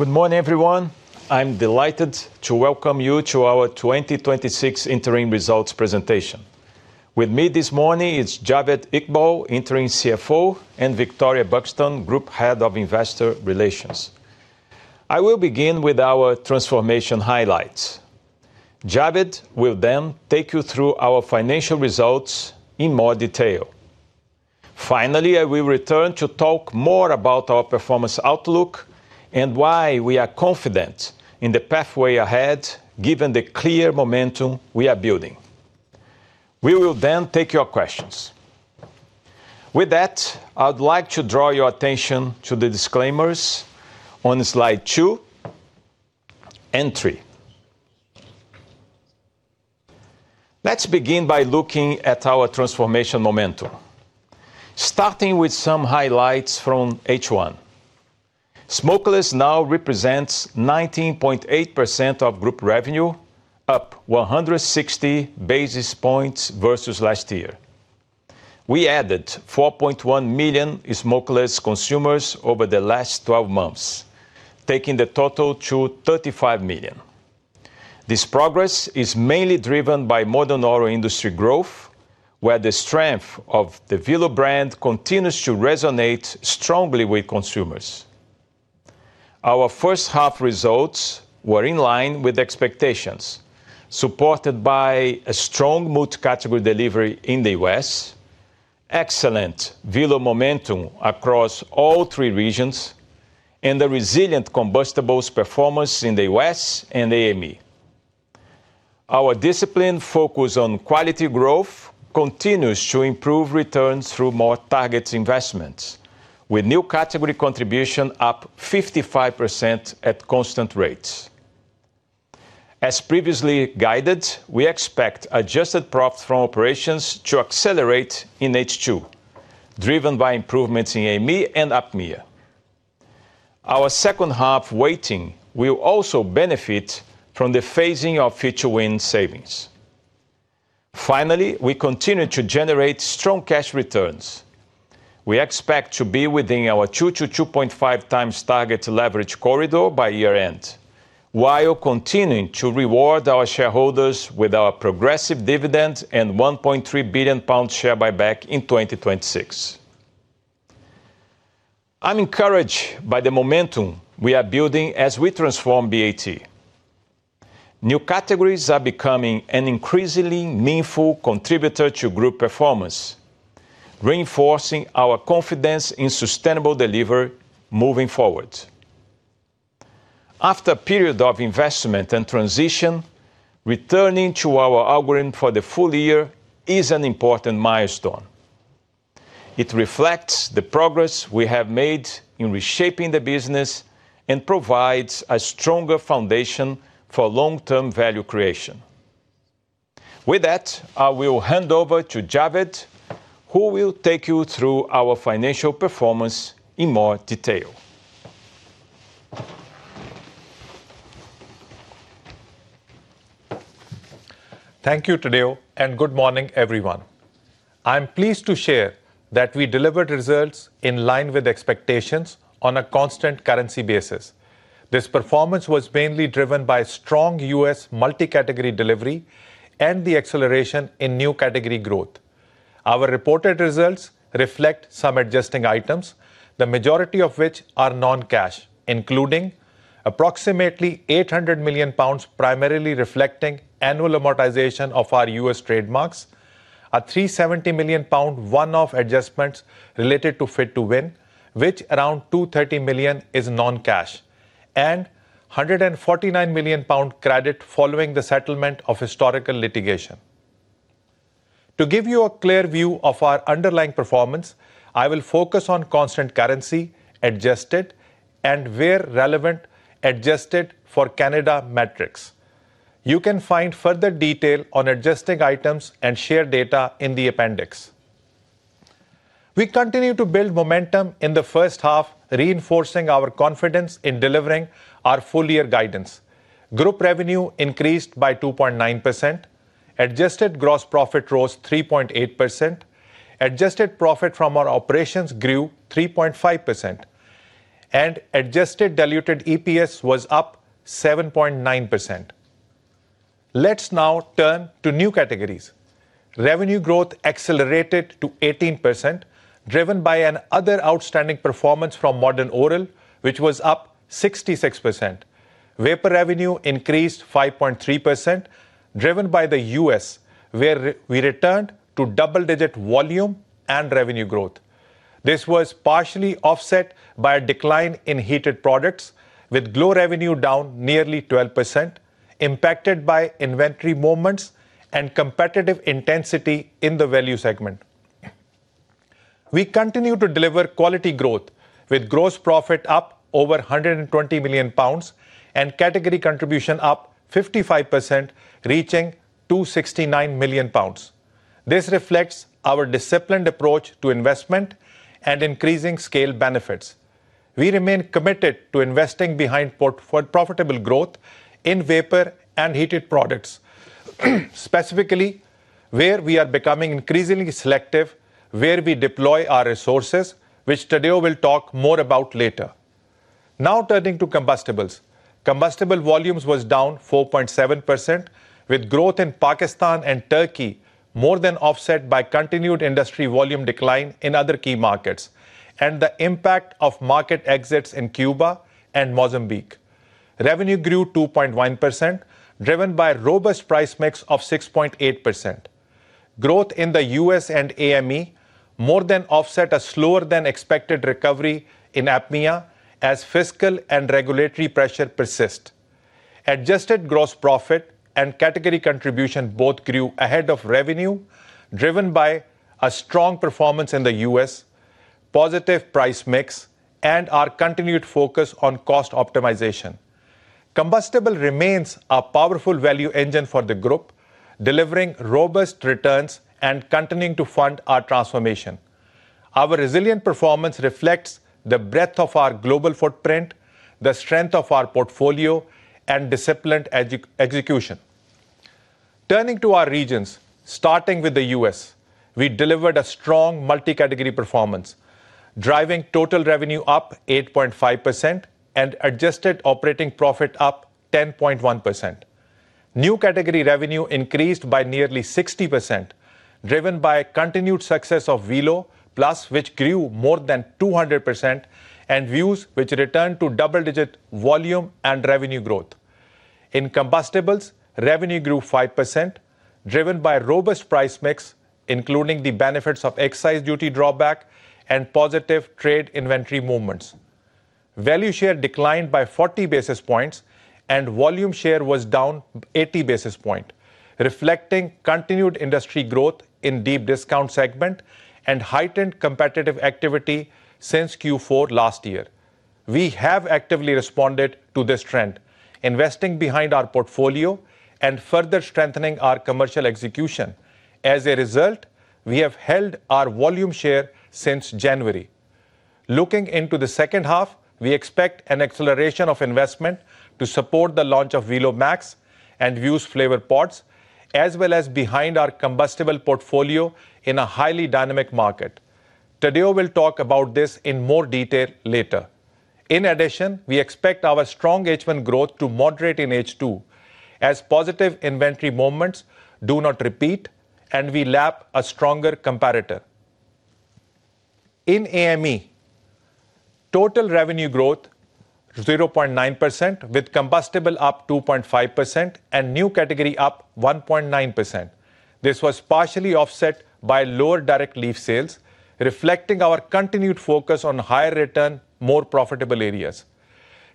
Good morning, everyone. I'm delighted to welcome you to our 2026 interim results presentation. With me this morning is Javed Iqbal, Interim CFO, and Victoria Buxton, Group Head of Investor Relations. I will begin with our transformation highlights. Javed will then take you through our financial results in more detail. Finally, I will return to talk more about our performance outlook and why we are confident in the pathway ahead, given the clear momentum we are building. We will then take your questions. With that, I would like to draw your attention to the disclaimers on slide two and three. Let's begin by looking at our transformation momentum, starting with some highlights from H1. Smokeless now represents 19.8% of group revenue, up 160 basis points versus last year. We added 4.1 million smokeless consumers over the last 12 months, taking the total to 35 million. This progress is mainly driven by Modern Oral industry growth, where the strength of the Velo brand continues to resonate strongly with consumers. Our first half results were in line with expectations, supported by a strong multi-category delivery in the U.S., excellent Velo momentum across all three regions, and the resilient combustibles performance in the U.S. and AME. Our disciplined focus on quality growth continues to improve returns through more targeted investments, with New Category contribution up 55% at constant rates. As previously guided, we expect adjusted profit from operations to accelerate in H2, driven by improvements in AME and APMEA. Our second half weighting will also benefit from the phasing of Fit2Win savings. Finally, we continue to generate strong cash returns. We expect to be within our 2x-2.5x target leverage corridor by year-end, while continuing to reward our shareholders with our progressive dividend and 1.3 billion pound share buyback in 2026. I'm encouraged by the momentum we are building as we transform BAT. New Categories are becoming an increasingly meaningful contributor to group performance, reinforcing our confidence in sustainable delivery moving forward. After a period of investment and transition, returning to our algorithm for the full year is an important milestone. It reflects the progress we have made in reshaping the business and provides a stronger foundation for long-term value creation. With that, I will hand over to Javed, who will take you through our financial performance in more detail. Thank you, Tadeu, and good morning, everyone. I'm pleased to share that we delivered results in line with expectations on a constant currency basis. This performance was mainly driven by strong U.S. multi-category delivery and the acceleration in New Category growth. Our reported results reflect some adjusting items, the majority of which are non-cash, including approximately 800 million pounds, primarily reflecting annual amortization of our U.S. trademarks, a 370 million pound one-off adjustment related to Fit2Win, which around 230 million is non-cash, and 149 million pound credit following the settlement of historical litigation. To give you a clear view of our underlying performance, I will focus on constant currency adjusted and, where relevant, adjusted for Canada metrics. You can find further detail on adjusting items and share data in the appendix. We continue to build momentum in the first half, reinforcing our confidence in delivering our full-year guidance. Group revenue increased by 2.9%, adjusted gross profit rose 3.8%, adjusted profit from our operations grew 3.5%, and adjusted diluted EPS was up 7.9%. Let's now turn to New Categories. Revenue growth accelerated to 18%, driven by an other outstanding performance from Modern Oral, which was up 66%. Vapour revenue increased 5.3%, driven by the U.S., where we returned to double-digit volume and revenue growth. This was partially offset by a decline in Heated Products, with glo revenue down nearly 12%, impacted by inventory movements and competitive intensity in the value segment. We continue to deliver quality growth, with gross profit up over 120 million pounds and category contribution up 55%, reaching 269 million pounds. This reflects our disciplined approach to investment and increasing scale benefits. We remain committed to investing behind profitable growth in Vapour and Heated Products. Specifically, where we are becoming increasingly selective, where we deploy our resources, which Tadeu will talk more about later. Turning to combustibles. Combustible volumes was down 4.7%, with growth in Pakistan and Türkiye more than offset by continued industry volume decline in other key markets, and the impact of market exits in Cuba and Mozambique. Revenue grew 2.1%, driven by a robust price mix of 6.8%. Growth in the U.S. and AME more than offset a slower-than-expected recovery in APMEA as fiscal and regulatory pressure persist. Adjusted gross profit and category contribution both grew ahead of revenue, driven by a strong performance in the U.S., positive price mix, and our continued focus on cost optimization. Combustible remains a powerful value engine for the group, delivering robust returns and continuing to fund our transformation. Our resilient performance reflects the breadth of our global footprint, the strength of our portfolio, and disciplined execution. Turning to our regions, starting with the U.S., we delivered a strong multi-category performance, driving total revenue up 8.5% and adjusted operating profit up 10.1%. New Category revenue increased by nearly 60%, driven by continued success of Velo Plus, which grew more than 200%, and Vuse, which returned to double-digit volume and revenue growth. In combustibles, revenue grew 5%, driven by robust price mix, including the benefits of excise duty drawback and positive trade inventory movements. Value share declined by 40 basis points, and volume share was down 80 basis points, reflecting continued industry growth in deep discount segment and heightened competitive activity since Q4 last year. We have actively responded to this trend, investing behind our portfolio and further strengthening our commercial execution. As a result, we have held our volume share since January. Looking into the second half, we expect an acceleration of investment to support the launch of Velo Max and Vuse flavor pods, as well as behind our combustible portfolio in a highly dynamic market. Tadeu will talk about this in more detail later. In addition, we expect our strong H1 growth to moderate in H2 as positive inventory moments do not repeat, and we lap a stronger comparator. In AME, total revenue growth 0.9%, with combustible up 2.55% and New Category up 1.9%. This was partially offset by lower direct leaf sales, reflecting our continued focus on higher return, more profitable areas.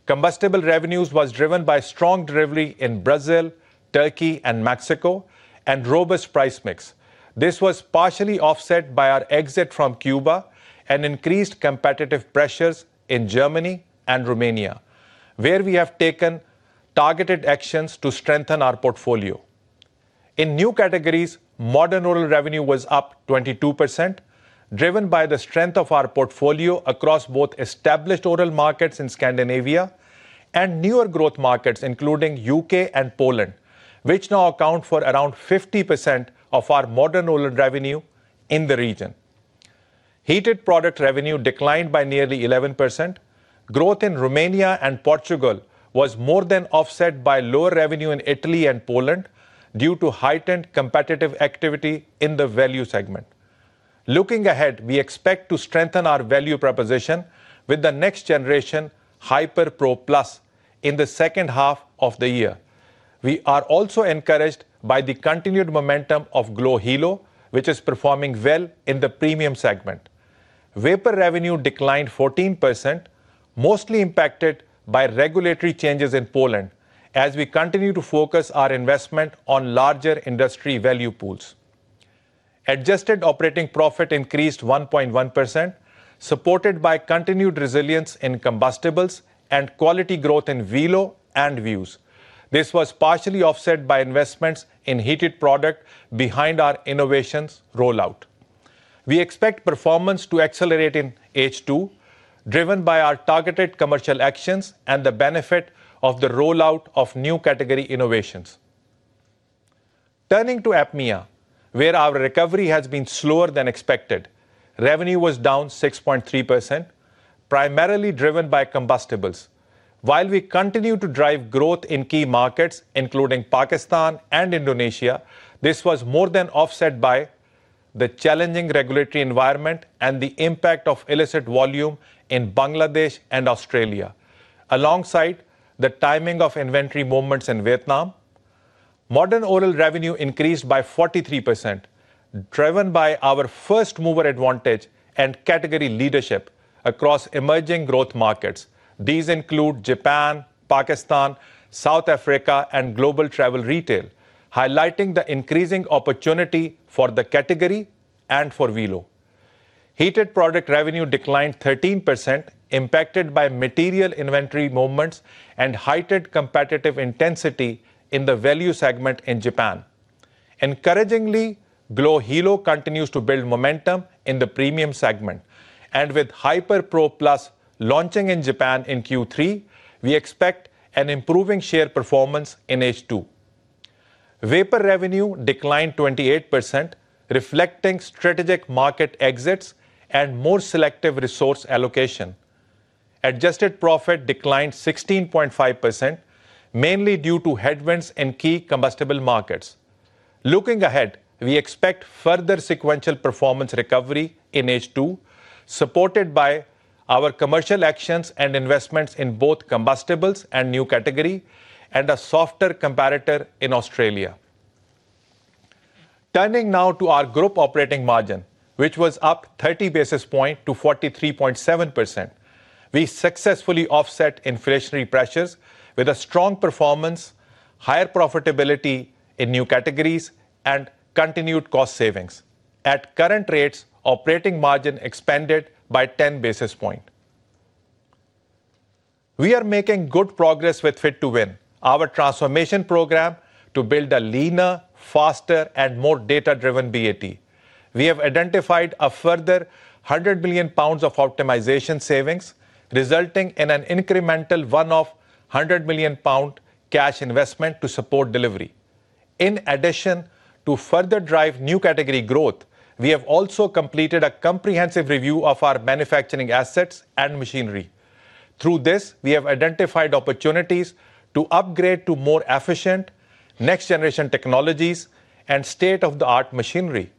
Combustible revenues was driven by strong delivery in Brazil, Türkiye, and Mexico and robust price mix. This was partially offset by our exit from Cuba and increased competitive pressures in Germany and Romania, where we have taken targeted actions to strengthen our portfolio. In New Categories, Modern Oral revenue was up 22%, driven by the strength of our portfolio across both established oral markets in Scandinavia and newer growth markets, including U.K. and Poland, which now account for around 50% of our Modern Oral revenue in the region. Heated Products revenue declined by nearly 11%. Growth in Romania and Portugal was more than offset by lower revenue in Italy and Poland due to heightened competitive activity in the value segment. Looking ahead, we expect to strengthen our value proposition with the next generation Hyper Pro+ in the second half of the year. We are also encouraged by the continued momentum of glo Hilo, which is performing well in the premium segment. Vapour revenue declined 14%, mostly impacted by regulatory changes in Poland as we continue to focus our investment on larger industry value pools. Adjusted operating profit increased 1.1%, supported by continued resilience in combustibles and quality growth in Velo and Vuse. This was partially offset by investments in Heated Product behind our innovations rollout. We expect performance to accelerate in H2, driven by our targeted commercial actions and the benefit of the rollout of New Category innovations. Turning to APMEA, where our recovery has been slower than expected. Revenue was down 6.3%, primarily driven by combustibles. While we continue to drive growth in key markets, including Pakistan and Indonesia, this was more than offset by the challenging regulatory environment and the impact of illicit volume in Bangladesh and Australia, alongside the timing of inventory movements in Vietnam. Modern Oral revenue increased by 43%, driven by our first-mover advantage and category leadership across emerging growth markets. These include Japan, Pakistan, South Africa, and Global Travel Retail, highlighting the increasing opportunity for the category and for Velo. Heated Products revenue declined 13%, impacted by material inventory movements and heightened competitive intensity in the value segment in Japan. Encouragingly, glo Hilo continues to build momentum in the premium segment. With Hyper Pro+ launching in Japan in Q3, we expect an improving share performance in H2. Vapour revenue declined 28%, reflecting strategic market exits and more selective resource allocation. Adjusted profit declined 16.5%, mainly due to headwinds in key combustible markets. Looking ahead, we expect further sequential performance recovery in H2, supported by our commercial actions and investments in both combustibles and New Category, and a softer comparator in Australia. Turning now to our group operating margin, which was up 30 basis points to 43.7%. We successfully offset inflationary pressures with a strong performance, higher profitability in New Categories, and continued cost savings. At current rates, operating margin expanded by 10 basis points. We are making good progress with Fit2Win, our transformation program to build a leaner, faster, and more data-driven BAT. We have identified a further 100 million pounds of optimization savings, resulting in an incremental one-off 100 million pound cash investment to support delivery. In addition, to further drive New Category growth, we have also completed a comprehensive review of our manufacturing assets and machinery. Through this, we have identified opportunities to upgrade to more efficient next-generation technologies and state-of-the-art machinery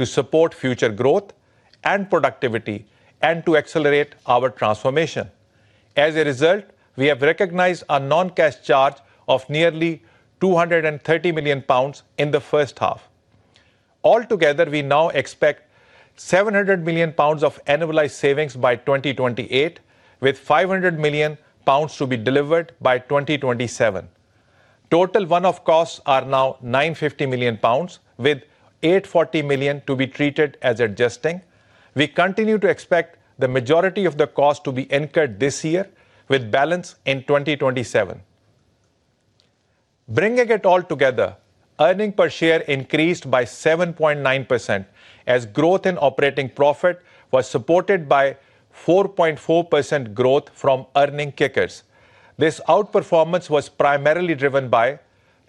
to support future growth and productivity, and to accelerate our transformation. As a result, we have recognized a non-cash charge of nearly 230 million pounds in the first half. Altogether, we now expect 700 million pounds of annualized savings by 2028, with 500 million pounds to be delivered by 2027. Total one-off costs are now 950 million pounds, with 840 million to be treated as adjusting. We continue to expect the majority of the cost to be incurred this year, with balance in 2027. Bringing it all together, earnings per share increased by 7.9% as growth in operating profit was supported by 4.4% growth from earnings kickers. This outperformance was primarily driven by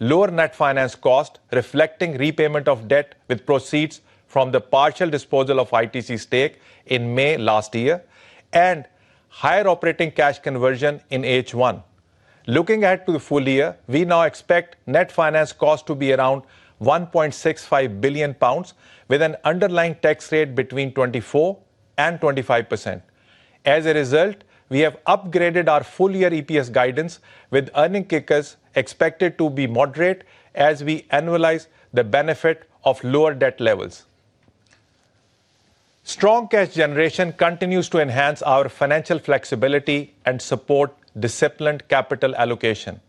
lower net finance cost, reflecting repayment of debt with proceeds from the partial disposal of ITC stake in May last year, and higher operating cash conversion in H1. Looking to full-year, we now expect net finance cost to be around 1.65 billion pounds, with an underlying tax rate between 24% and 25%. As a result, we have upgraded our full-year EPS guidance, with earnings kickers expected to be moderate as we annualize the benefit of lower debt levels. Strong cash generation continues to enhance our financial flexibility and support disciplined capital allocation.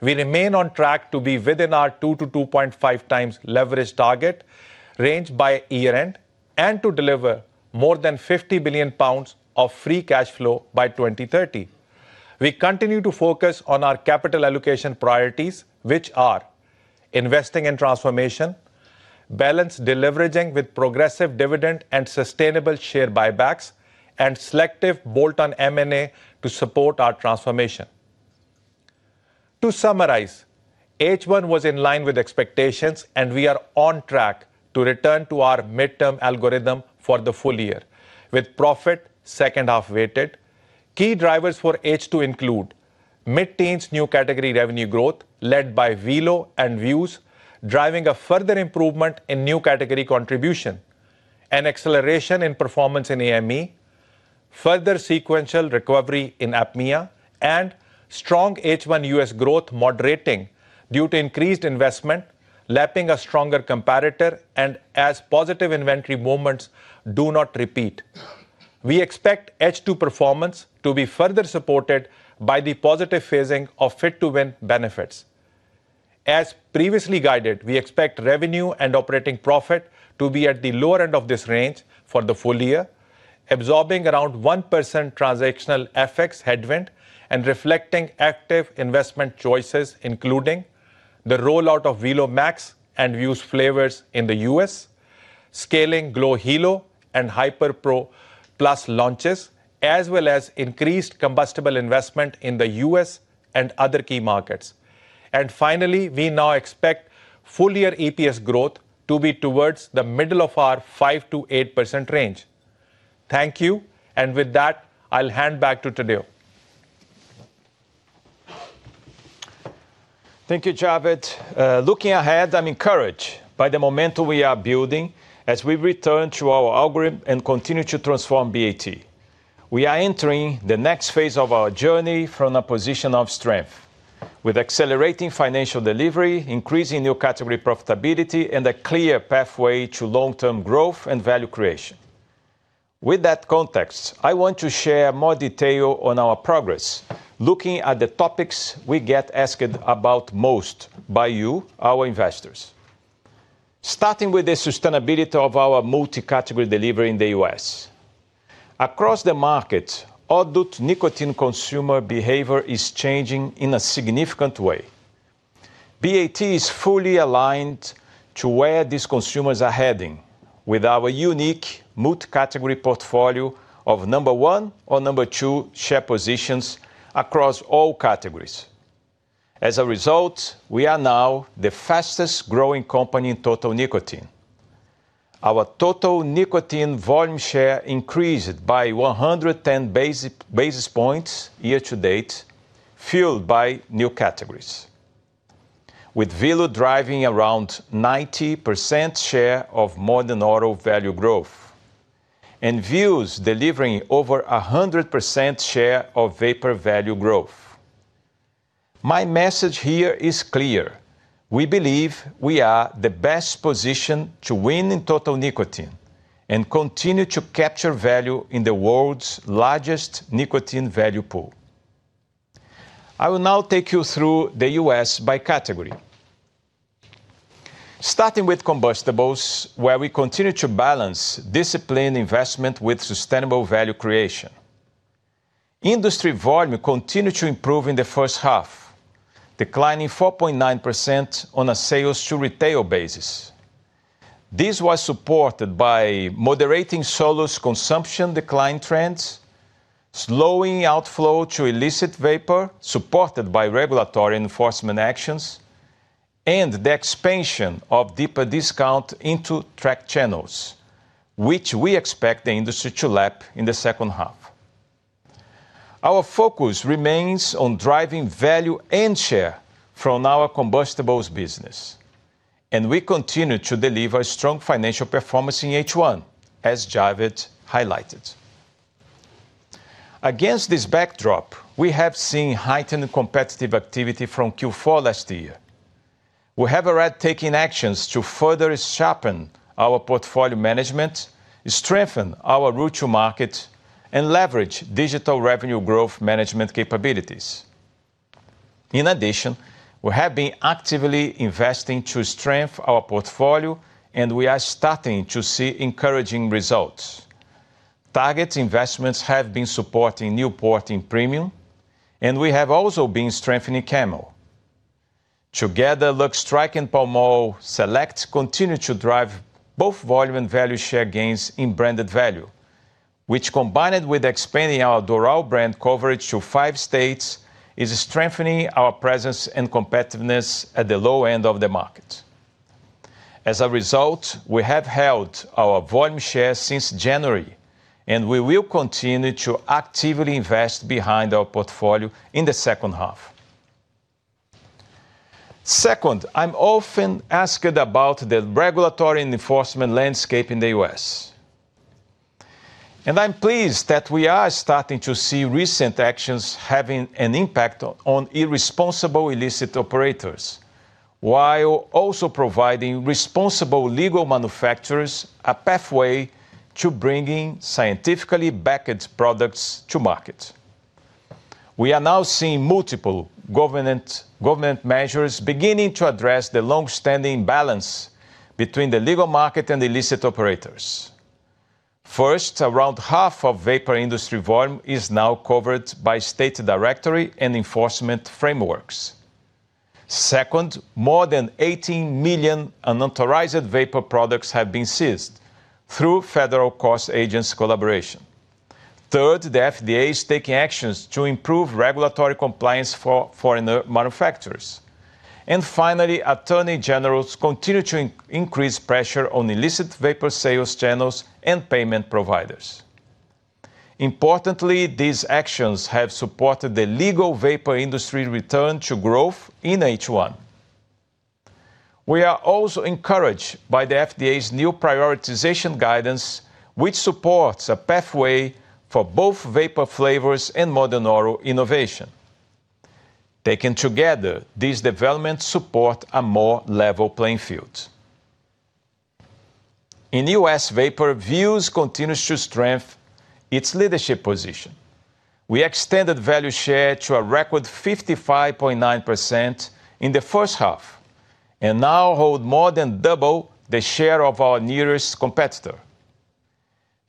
We remain on track to be within our 2x-2.5x leverage target range by year-end, and to deliver more than 50 billion pounds of free cash flow by 2030. We continue to focus on our capital allocation priorities, which are investing in transformation, balance deleveraging with progressive dividend and sustainable share buybacks, and selective bolt-on M&A to support our transformation. To summarize, H1 was in line with expectations. We are on track to return to our midterm algorithm for the full-year, with profit second-half weighted. Key drivers for H2 include mid-teens New Category revenue growth, led by Velo and Vuse, driving a further improvement in New Category contribution, an acceleration in performance in AME, further sequential recovery in APMEA, Strong H1 U.S. growth moderating due to increased investment, lapping a stronger comparator, As positive inventory moments do not repeat. We expect H2 performance to be further supported by the positive phasing of Fit2Win benefits. As previously guided, we expect revenue and operating profit to be at the lower end of this range for the full-year, absorbing around 1% transactional FX headwind and reflecting active investment choices, including the rollout of Velo Max and Vuse flavors in the U.S., scaling glo Hilo and glo Hyper Pro+ launches, as well as increased combustible investment in the U.S. and other key markets. Finally, we now expect full-year EPS growth to be towards the middle of our 5%-8% range. Thank you. With that, I'll hand back to Tadeu. Thank you, Javed. Looking ahead, I'm encouraged by the momentum we are building as we return to our algorithm and continue to transform BAT. We are entering the next phase of our journey from a position of strength, with accelerating financial delivery, increasing New Category profitability, and a clear pathway to long-term growth and value creation. With that context, I want to share more detail on our progress, looking at the topics we get asked about most by you, our investors. Starting with the sustainability of our multi-category delivery in the U.S. Across the market, adult nicotine consumer behavior is changing in a significant way. BAT is fully aligned to where these consumers are heading. With our unique multi-category portfolio of number one or number two share positions across all categories. As a result, we are now the fastest-growing company in total nicotine. Our total nicotine volume share increased by 110 basis points year to date, fueled by New Categories, with Velo driving around 90% share of Modern Oral value growth, and Vuse delivering over 100% share of Vapour value growth. My message here is clear. We believe we are the best position to win in total nicotine and continue to capture value in the world's largest nicotine value pool. I will now take you through the U.S. by category. Starting with combustibles, where we continue to balance disciplined investment with sustainable value creation. Industry volume continued to improve in the first half, declining 4.9% on a sales to retail basis. This was supported by moderating [solos] consumption decline trends, slowing outflow to illicit Vapour, supported by regulatory enforcement actions, and the expansion of deeper discount into track channels, which we expect the industry to lap in the second half. Our focus remains on driving value and share from our combustibles business, and we continue to deliver strong financial performance in H1, as Javed highlighted. Against this backdrop, we have seen heightened competitive activity from Q4 last year. We have already taken actions to further sharpen our portfolio management, strengthen our route to market, and leverage digital revenue growth management capabilities. In addition, we have been actively investing to strengthen our portfolio, and we are starting to see encouraging results. Target investments have been supporting Newport in premium, and we have also been strengthening Camel. Together, Lucky Strike and Pall Mall Select continue to drive both volume and value share gains in branded value, which, combined with expanding our Doral brand coverage to five states, is strengthening our presence and competitiveness at the low end of the market. As a result, we have held our volume share since January, and we will continue to actively invest behind our portfolio in the second half. Second, I'm often asked about the regulatory enforcement landscape in the U.S. I'm pleased that we are starting to see recent actions having an impact on irresponsible illicit operators, while also providing responsible legal manufacturers a pathway to bringing scientifically backed products to market. We are now seeing multiple government measures beginning to address the long-standing balance between the legal market and illicit operators. First, around half of Vapour industry volume is now covered by state directory and enforcement frameworks. Second, more than 18 million unauthorized Vapour products have been seized through federal cross-agents collaboration. Third, the FDA is taking actions to improve regulatory compliance for manufacturers. Finally, attorney generals continue to increase pressure on illicit Vapour sales channels and payment providers. Importantly, these actions have supported the legal Vapour industry return to growth in H1. We are also encouraged by the FDA's new prioritization guidance, which supports a pathway for both Vapour flavors and Modern Oral innovation. Taken together, these developments support a more level playing field. In U.S. Vapour, Vuse continues to strengthen its leadership position. We extended value share to a record 55.9% in the first half, and now hold more than double the share of our nearest competitor.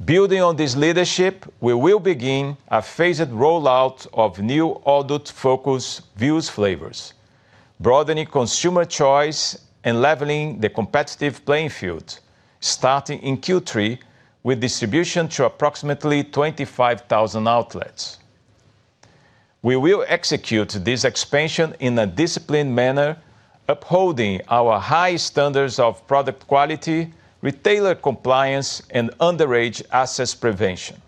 Building on this leadership, we will begin a phased rollout of new adult-focused Vuse flavors, broadening consumer choice and leveling the competitive playing field, starting in Q3, with distribution to approximately 25,000 outlets. We will execute this expansion in a disciplined manner, upholding our high standards of product quality, retailer compliance, and underage access prevention.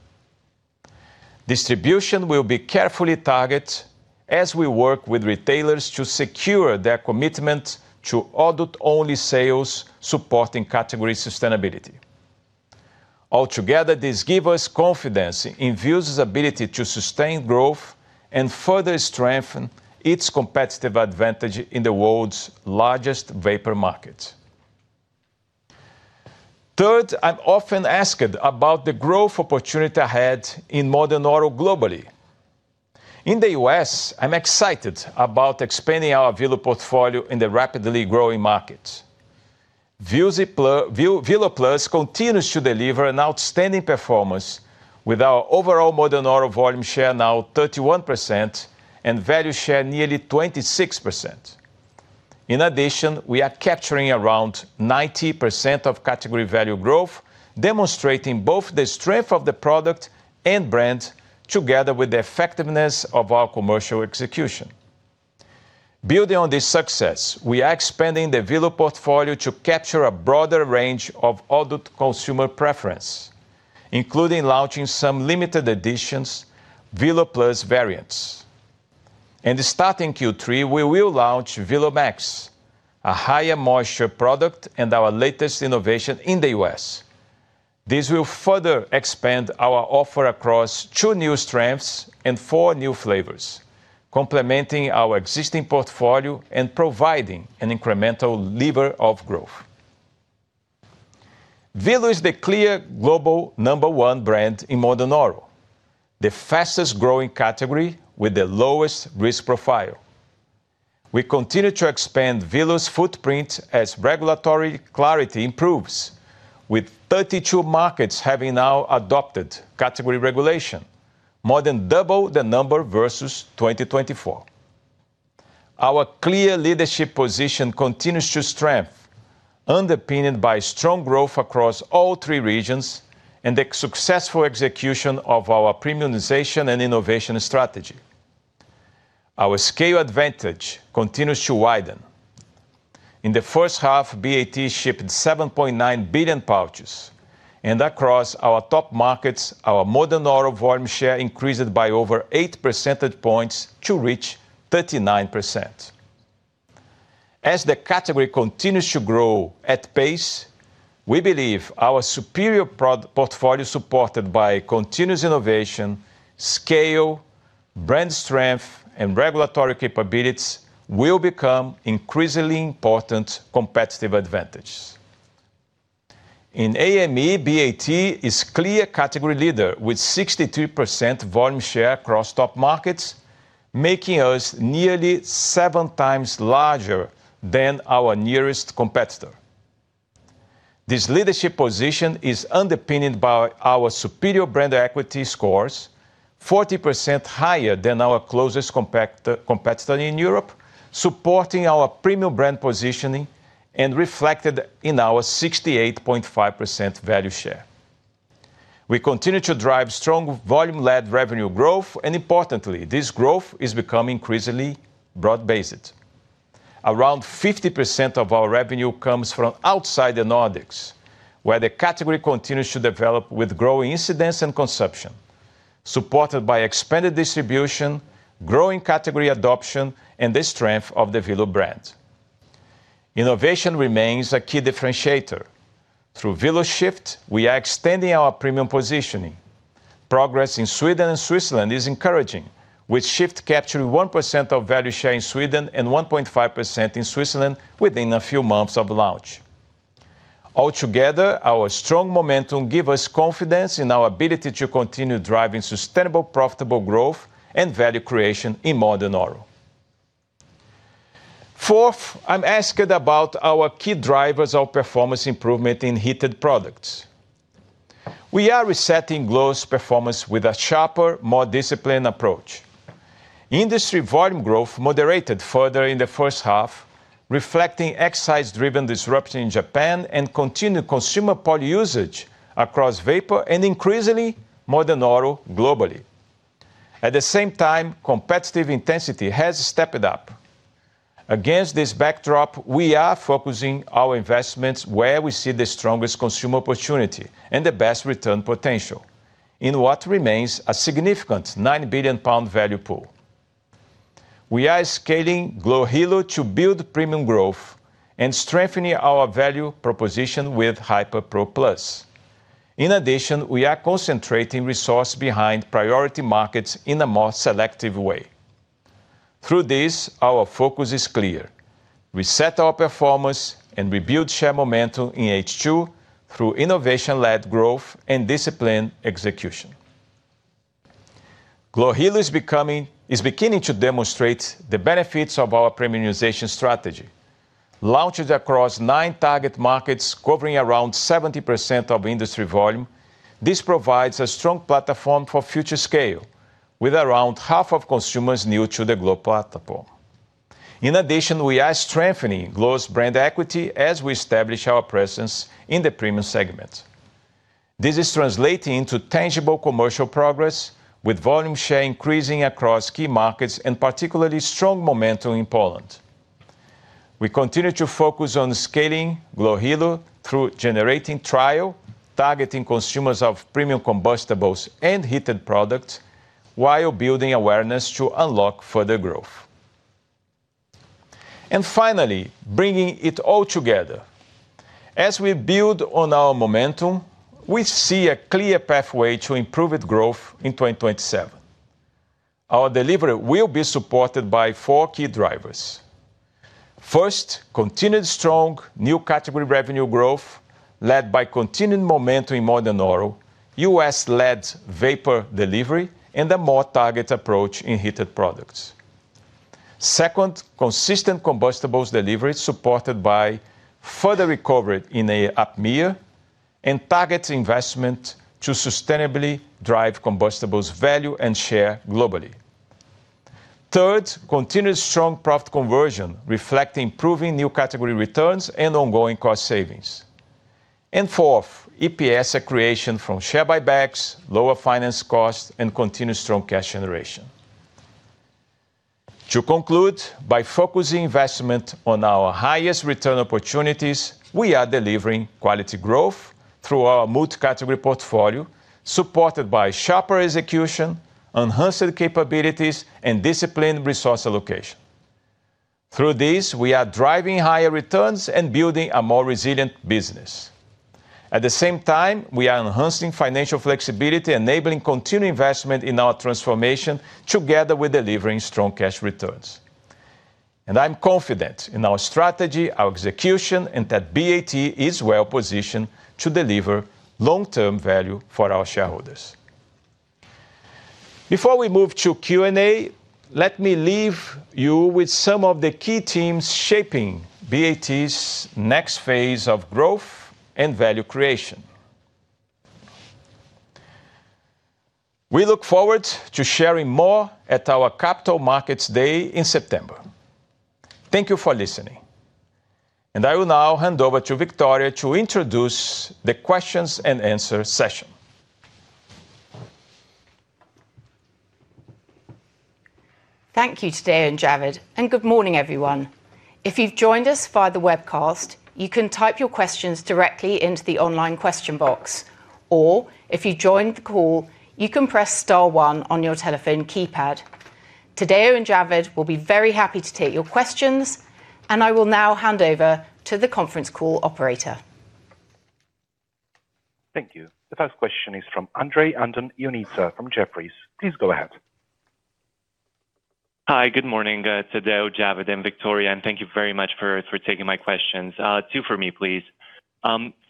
Distribution will be carefully targeted as we work with retailers to secure their commitment to adult-only sales, supporting category sustainability. Altogether, this give us confidence in Vuse's ability to sustain growth and further strengthen its competitive advantage in the world's largest Vapour market. Third, I'm often asked about the growth opportunity ahead in Modern Oral globally. In the U.S., I'm excited about expanding our Velo portfolio in the rapidly growing market. Velo Plus continues to deliver an outstanding performance with our overall Modern Oral volume share now 31%, and value share nearly 26%. In addition, we are capturing around 90% of category value growth, demonstrating both the strength of the product and brand together with the effectiveness of our commercial execution. Building on this success, we are expanding the Velo portfolio to capture a broader range of adult consumer preference, including launching some limited editions, Velo Plus variants. Starting Q3, we will launch Velo Max, a higher moisture product and our latest innovation in the U.S. This will further expand our offer across two new strengths and four new flavors, complementing our existing portfolio and providing an incremental lever of growth. Velo is the clear global number one brand in Modern Oral, the fastest-growing category with the lowest risk profile. We continue to expand Velo's footprint as regulatory clarity improves, with 32 markets having now adopted category regulation, more than double the number versus 2024. Our clear leadership position continues to strengthen, underpinned by strong growth across all three regions and the successful execution of our premiumization and innovation strategy. Our scale advantage continues to widen. In the first half, BAT shipped 7.9 billion pouches, and across our top markets, our Modern Oral volume share increased by over 8 percentage points to reach 39%. As the category continues to grow at pace, we believe our superior portfolio, supported by continuous innovation, scale, brand strength, and regulatory capabilities, will become increasingly important competitive advantage. In APMEA, BAT is clear category leader with 62% volume share across top markets, making us nearly 7x larger than our nearest competitor. This leadership position is underpinned by our superior brand equity scores, 40% higher than our closest competitor in Europe, supporting our premium brand positioning, and reflected in our 68.5% value share. We continue to drive strong volume-led revenue growth, importantly, this growth is becoming increasingly broad-based. Around 50% of our revenue comes from outside the Nordics, where the category continues to develop with growing incidence and consumption, supported by expanded distribution, growing category adoption, and the strength of the Velo brand. Innovation remains a key differentiator. Through Velo Shift, we are extending our premium positioning. Progress in Sweden and Switzerland is encouraging, with Shift capturing 1% of value share in Sweden and 1.5% in Switzerland within a few months of launch. Altogether, our strong momentum gives us confidence in our ability to continue driving sustainable, profitable growth and value creation in Modern Oral. Fourth, I am asked about our key drivers of performance improvement in Heated Products. We are resetting glo's performance with a sharper, more disciplined approach. Industry volume growth moderated further in the first half, reflecting excise-driven disruption in Japan and continued consumer poly-usage across Vapour and increasingly Modern Oral globally. At the same time, competitive intensity has stepped up. Against this backdrop, we are focusing our investments where we see the strongest consumer opportunity and the best return potential in what remains a significant 9 billion pound value pool. We are scaling glo Hilo to build premium growth and strengthening our value proposition with Hyper Pro+. In addition, we are concentrating resource behind priority markets in a more selective way. Through this, our focus is clear. We set our performance and we build share momentum in H2 through innovation-led growth and disciplined execution. glo Hilo is beginning to demonstrate the benefits of our premiumization strategy. Launched across nine target markets, covering around 70% of industry volume, this provides a strong platform for future scale, with around half of consumers new to the glo platform. In addition, we are strengthening glo's brand equity as we establish our presence in the premium segment. This is translating into tangible commercial progress, with volume share increasing across key markets and particularly strong momentum in Poland. We continue to focus on scaling glo Hilo through generating trial, targeting consumers of premium combustibles and Heated Products, while building awareness to unlock further growth. Finally, bringing it all together. As we build on our momentum, we see a clear pathway to improved growth in 2027. Our delivery will be supported by four key drivers. First, continued strong New Category revenue growth led by continued momentum in Modern Oral, U.S.-led Vapour delivery, and a more targeted approach in Heated Products. Second, consistent combustibles delivery supported by further recovery in APMEA. Target investment to sustainably drive combustible's value and share globally. Third, continuous strong profit conversion, reflecting improving New Category returns and ongoing cost savings. Fourth, EPS accretion from share buybacks, lower finance costs, and continued strong cash generation. To conclude, by focusing investment on our highest return opportunities, we are delivering quality growth through our multi-category portfolio, supported by sharper execution, enhanced capabilities, and disciplined resource allocation. Through this, we are driving higher returns and building a more resilient business. At the same time, we are enhancing financial flexibility, enabling continued investment in our transformation together with delivering strong cash returns. I am confident in our strategy, our execution, and that BAT is well-positioned to deliver long-term value for our shareholders. Before we move to Q&A, let me leave you with some of the key teams shaping BAT's next phase of growth and value creation. We look forward to sharing more at our Capital Markets Day in September. Thank you for listening. I will now hand over to Victoria to introduce the question-and-answer session. Thank you Tadeu and Javed. Good morning, everyone. If you've joined us via the webcast, you can type your questions directly into the online question box. If you joined the call, you can press star one on your telephone keypad. Tadeu and Javed will be very happy to take your questions. I will now hand over to the conference call operator. Thank you. The first question is from Andrei Andon-Ionita from Jefferies. Please go ahead. Hi, good morning Tadeu, Javed, and Victoria. Thank you very much for taking my questions. Two for me, please.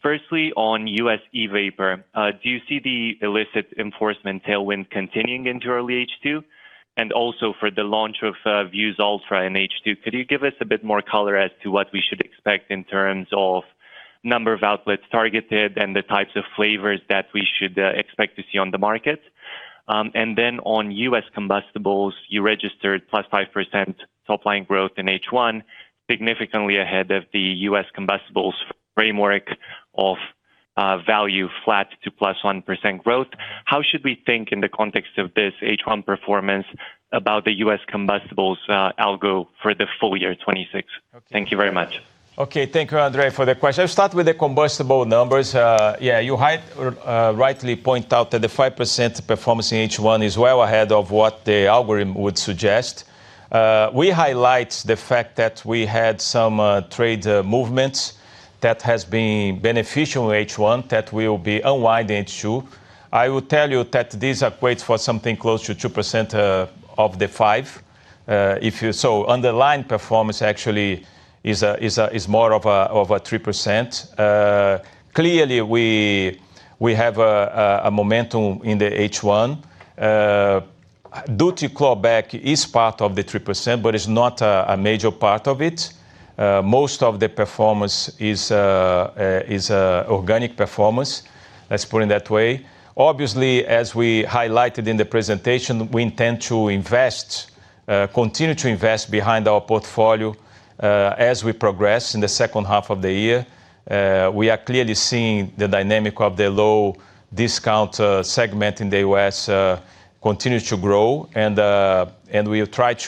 Firstly, on U.S. e-Vapour, do you see the illicit enforcement tailwind continuing into early H2? Also, for the launch of Vuse Ultra in H2, could you give us a bit more color as to what we should expect in terms of number of outlets targeted and the types of flavors that we should expect to see on the market? Then on U.S. combustibles, you registered +5% top-line growth in H1, significantly ahead of the U.S. combustibles framework of value flat to +1% growth. How should we think in the context of this H1 performance about the U.S. combustibles algo for the full year 2026? Thank you very much. Okay. Thank you, Andrei, for the question. I'll start with the combustible numbers. You rightly point out that the +5% performance in H1 is well ahead of what the algorithm would suggest. We highlight the fact that we had some trade movements that has been beneficial in H1 that will be unwind in H2. I would tell you that this equates for something close to 2% of the 5%. Underlying performance actually is more of a 3%. Clearly, we have a momentum in the H1. Duty drawback is part of the 3%, but it's not a major part of it. Most of the performance is organic performance. Let's put it that way. Obviously, as we highlighted in the presentation, we intend to continue to invest behind our portfolio as we progress in the second half of the year. We are clearly seeing the dynamic of the low discount segment in the U.S. continue to grow. We have tried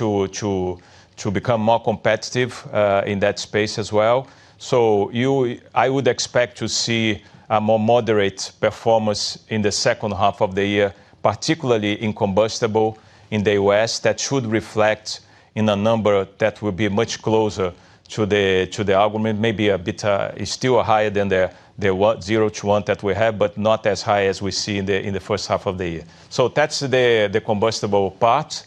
to become more competitive in that space as well. I would expect to see a more moderate performance in the second half of the year, particularly in combustible in the U.S. That should reflect in a number that will be much closer to the algorithm, maybe a bit still higher than the 0-1 that we have, but not as high as we see in the first half of the year. That's the combustible part.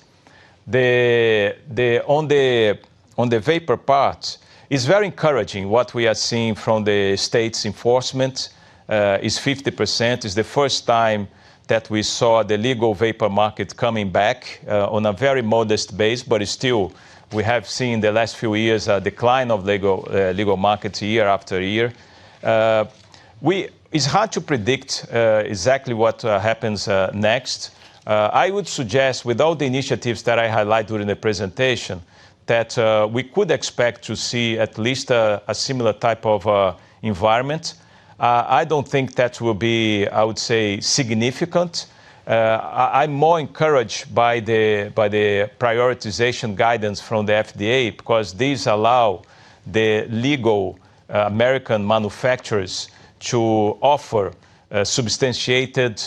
On the Vapour part, it's very encouraging what we are seeing from the states enforcement. It's 50%. It's the first time that we saw the legal Vapour market coming back on a very modest base. Still, we have seen the last few years a decline of legal markets year after year. It's hard to predict exactly what happens next. I would suggest, with all the initiatives that I highlighted in the presentation, that we could expect to see at least a similar type of environment. I don't think that will be, I would say, significant. I'm more encouraged by the prioritization guidance from the FDA because these allow the legal American manufacturers to offer substantiated,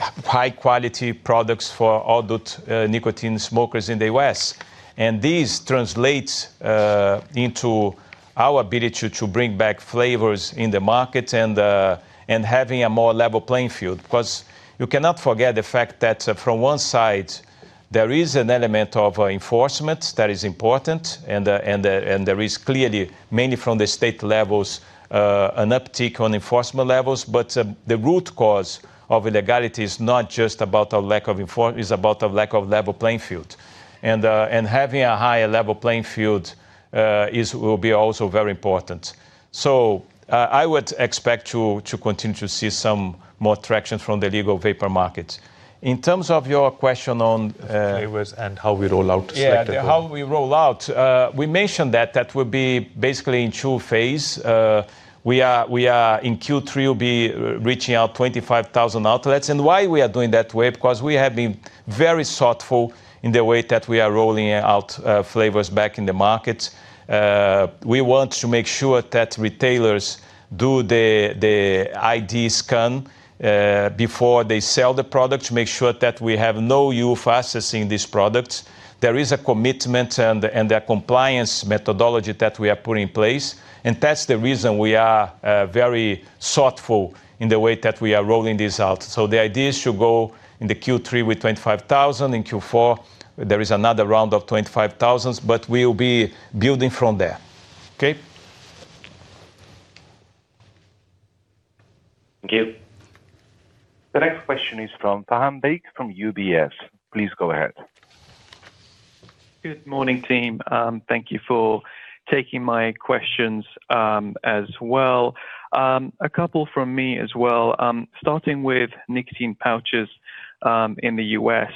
high-quality products for adult nicotine smokers in the U.S. This translates into our ability to bring back flavors in the market and having a more level playing field. You cannot forget the fact that from one side, there is an element of enforcement that is important, and there is clearly, mainly from the state levels, an uptick on enforcement levels. The root cause of illegality is not just about a lack of enforcement, it's about a lack of level playing field. Having a higher level playing field will be also very important. I would expect to continue to see some more traction from the legal Vapour market. In terms of your question on- The flavors and how we roll out- Yeah. Slater there. How we roll out. We mentioned that that would be basically in two phases. In Q3, we'll be reaching out 25,000 outlets. Why we are doing that way, because we have been very thoughtful in the way that we are rolling out flavors back in the market. We want to make sure that retailers do the ID scan before they sell the product to make sure that we have no youth accessing this product. There is a commitment and a compliance methodology that we are putting in place, and that's the reason we are very thoughtful in the way that we are rolling this out. The idea should go in the Q3 with 25,000. In Q4, there is another round of 25,000, but we'll be building from there. Okay? Thank you. The next question is from Faham Baig from UBS. Please go ahead. Good morning, team. Thank you for taking my questions as well. A couple from me as well. Starting with nicotine pouches in the U.S.,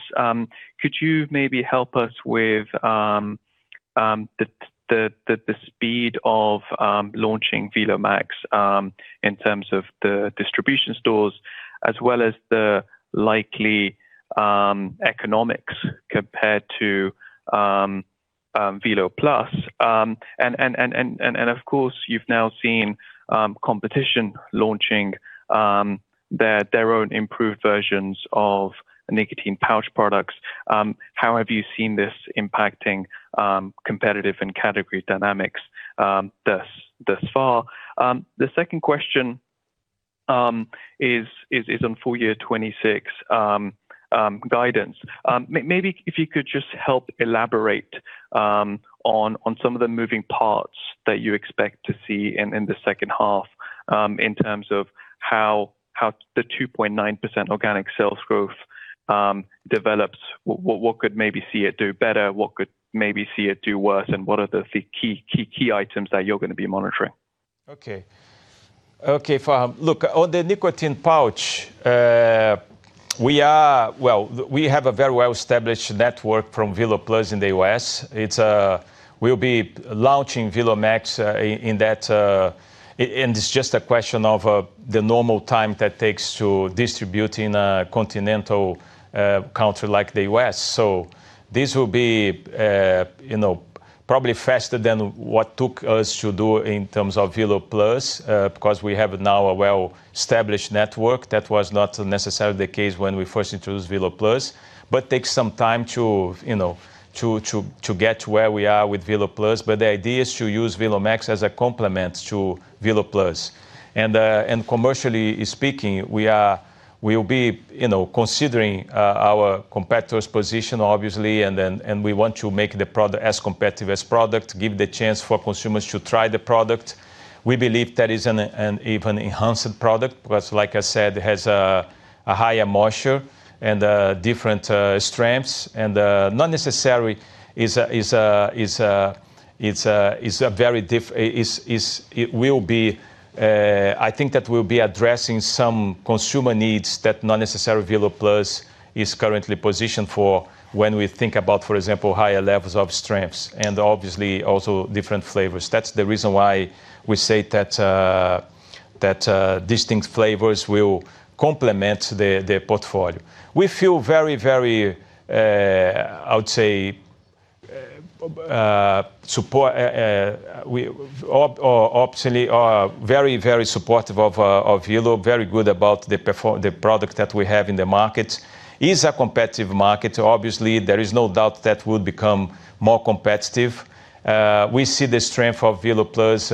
could you maybe help us with the speed of launching Velo Max in terms of the distribution stores as well as the likely economics compared to Velo Plus. Of course, you've now seen competition launching their own improved versions of nicotine pouch products. How have you seen this impacting competitive and category dynamics thus far? The second question is on full year 2026 guidance. Maybe if you could just help elaborate on some of the moving parts that you expect to see in the second half, in terms of how the 2.9% organic sales growth develops. What could maybe see it do better, what could maybe see it do worse, and what are the key items that you're going to be monitoring? On the nicotine pouch, we have a very well-established network from Velo Plus in the U.S. We'll be launching Velo Max, and it's just a question of the normal time that takes to distribute in a continental country like the U.S. This will be probably faster than what took us to do in terms of Velo Plus because we have now a well-established network. That was not necessarily the case when we first introduced Velo Plus, but it takes some time to get to where we are with Velo Plus. The idea is to use Velo Max as a complement to Velo Plus. Commercially speaking, we will be considering our competitor's position, obviously, and we want to make the product as competitive a product, to give the chance for consumers to try the product. We believe that is an even enhanced product because, like I said, it has a higher moisture and different strengths. I think that we'll be addressing some consumer needs that not necessarily Velo Plus is currently positioned for when we think about, for example, higher levels of strengths and obviously also different flavors. That is the reason why we say that distinct flavors will complement the portfolio. We feel very, very, I would say, optimally, very supportive of Velo, very good about the product that we have in the market. It's a competitive market. Obviously, there is no doubt that it will become more competitive. We see the strength of Velo Plus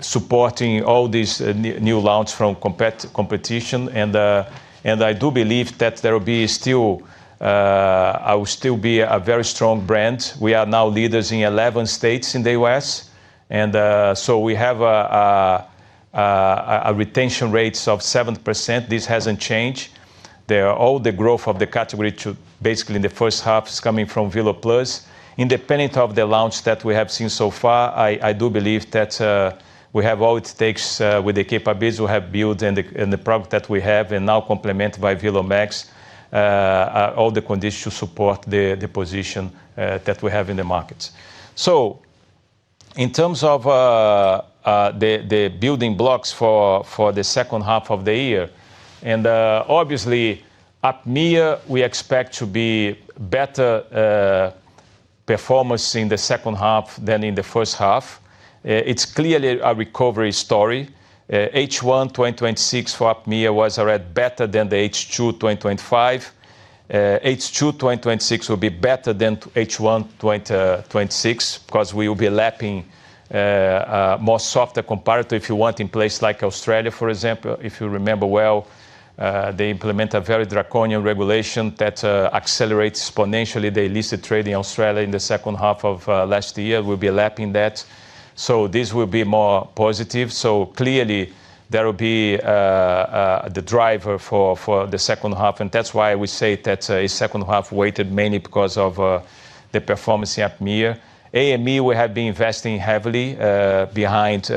supporting all these new launches from competition, and I do believe that it will still be a very strong brand. We are now leaders in 11 states in the U.S., we have a retention rate of 7%. This hasn't changed. All the growth of the category to basically in the first half is coming from Velo Plus. Independent of the launch that we have seen so far, I do believe that we have all it takes with the capabilities we have built and the product that we have, and now complemented by Velo Max, all the conditions support the position that we have in the market. In terms of the building blocks for the second half of the year, and obviously at APMEA, we expect to be better performance in the second half than in the first half. It's clearly a recovery story. H1 2026 for APMEA was already better than the H2 2025. H2 2026 will be better than H1 2026 because we will be lapping more softer comparative, if you want, in places like Australia, for example. If you remember well, they implement a very draconian regulation that accelerates exponentially the illicit trade in Australia in the second half of last year. We'll be lapping that. This will be more positive. Clearly, there will be the driver for the second half, and that is why we say that it's second half-weighted, mainly because of the performance in APMEA. AME, we have been investing heavily behind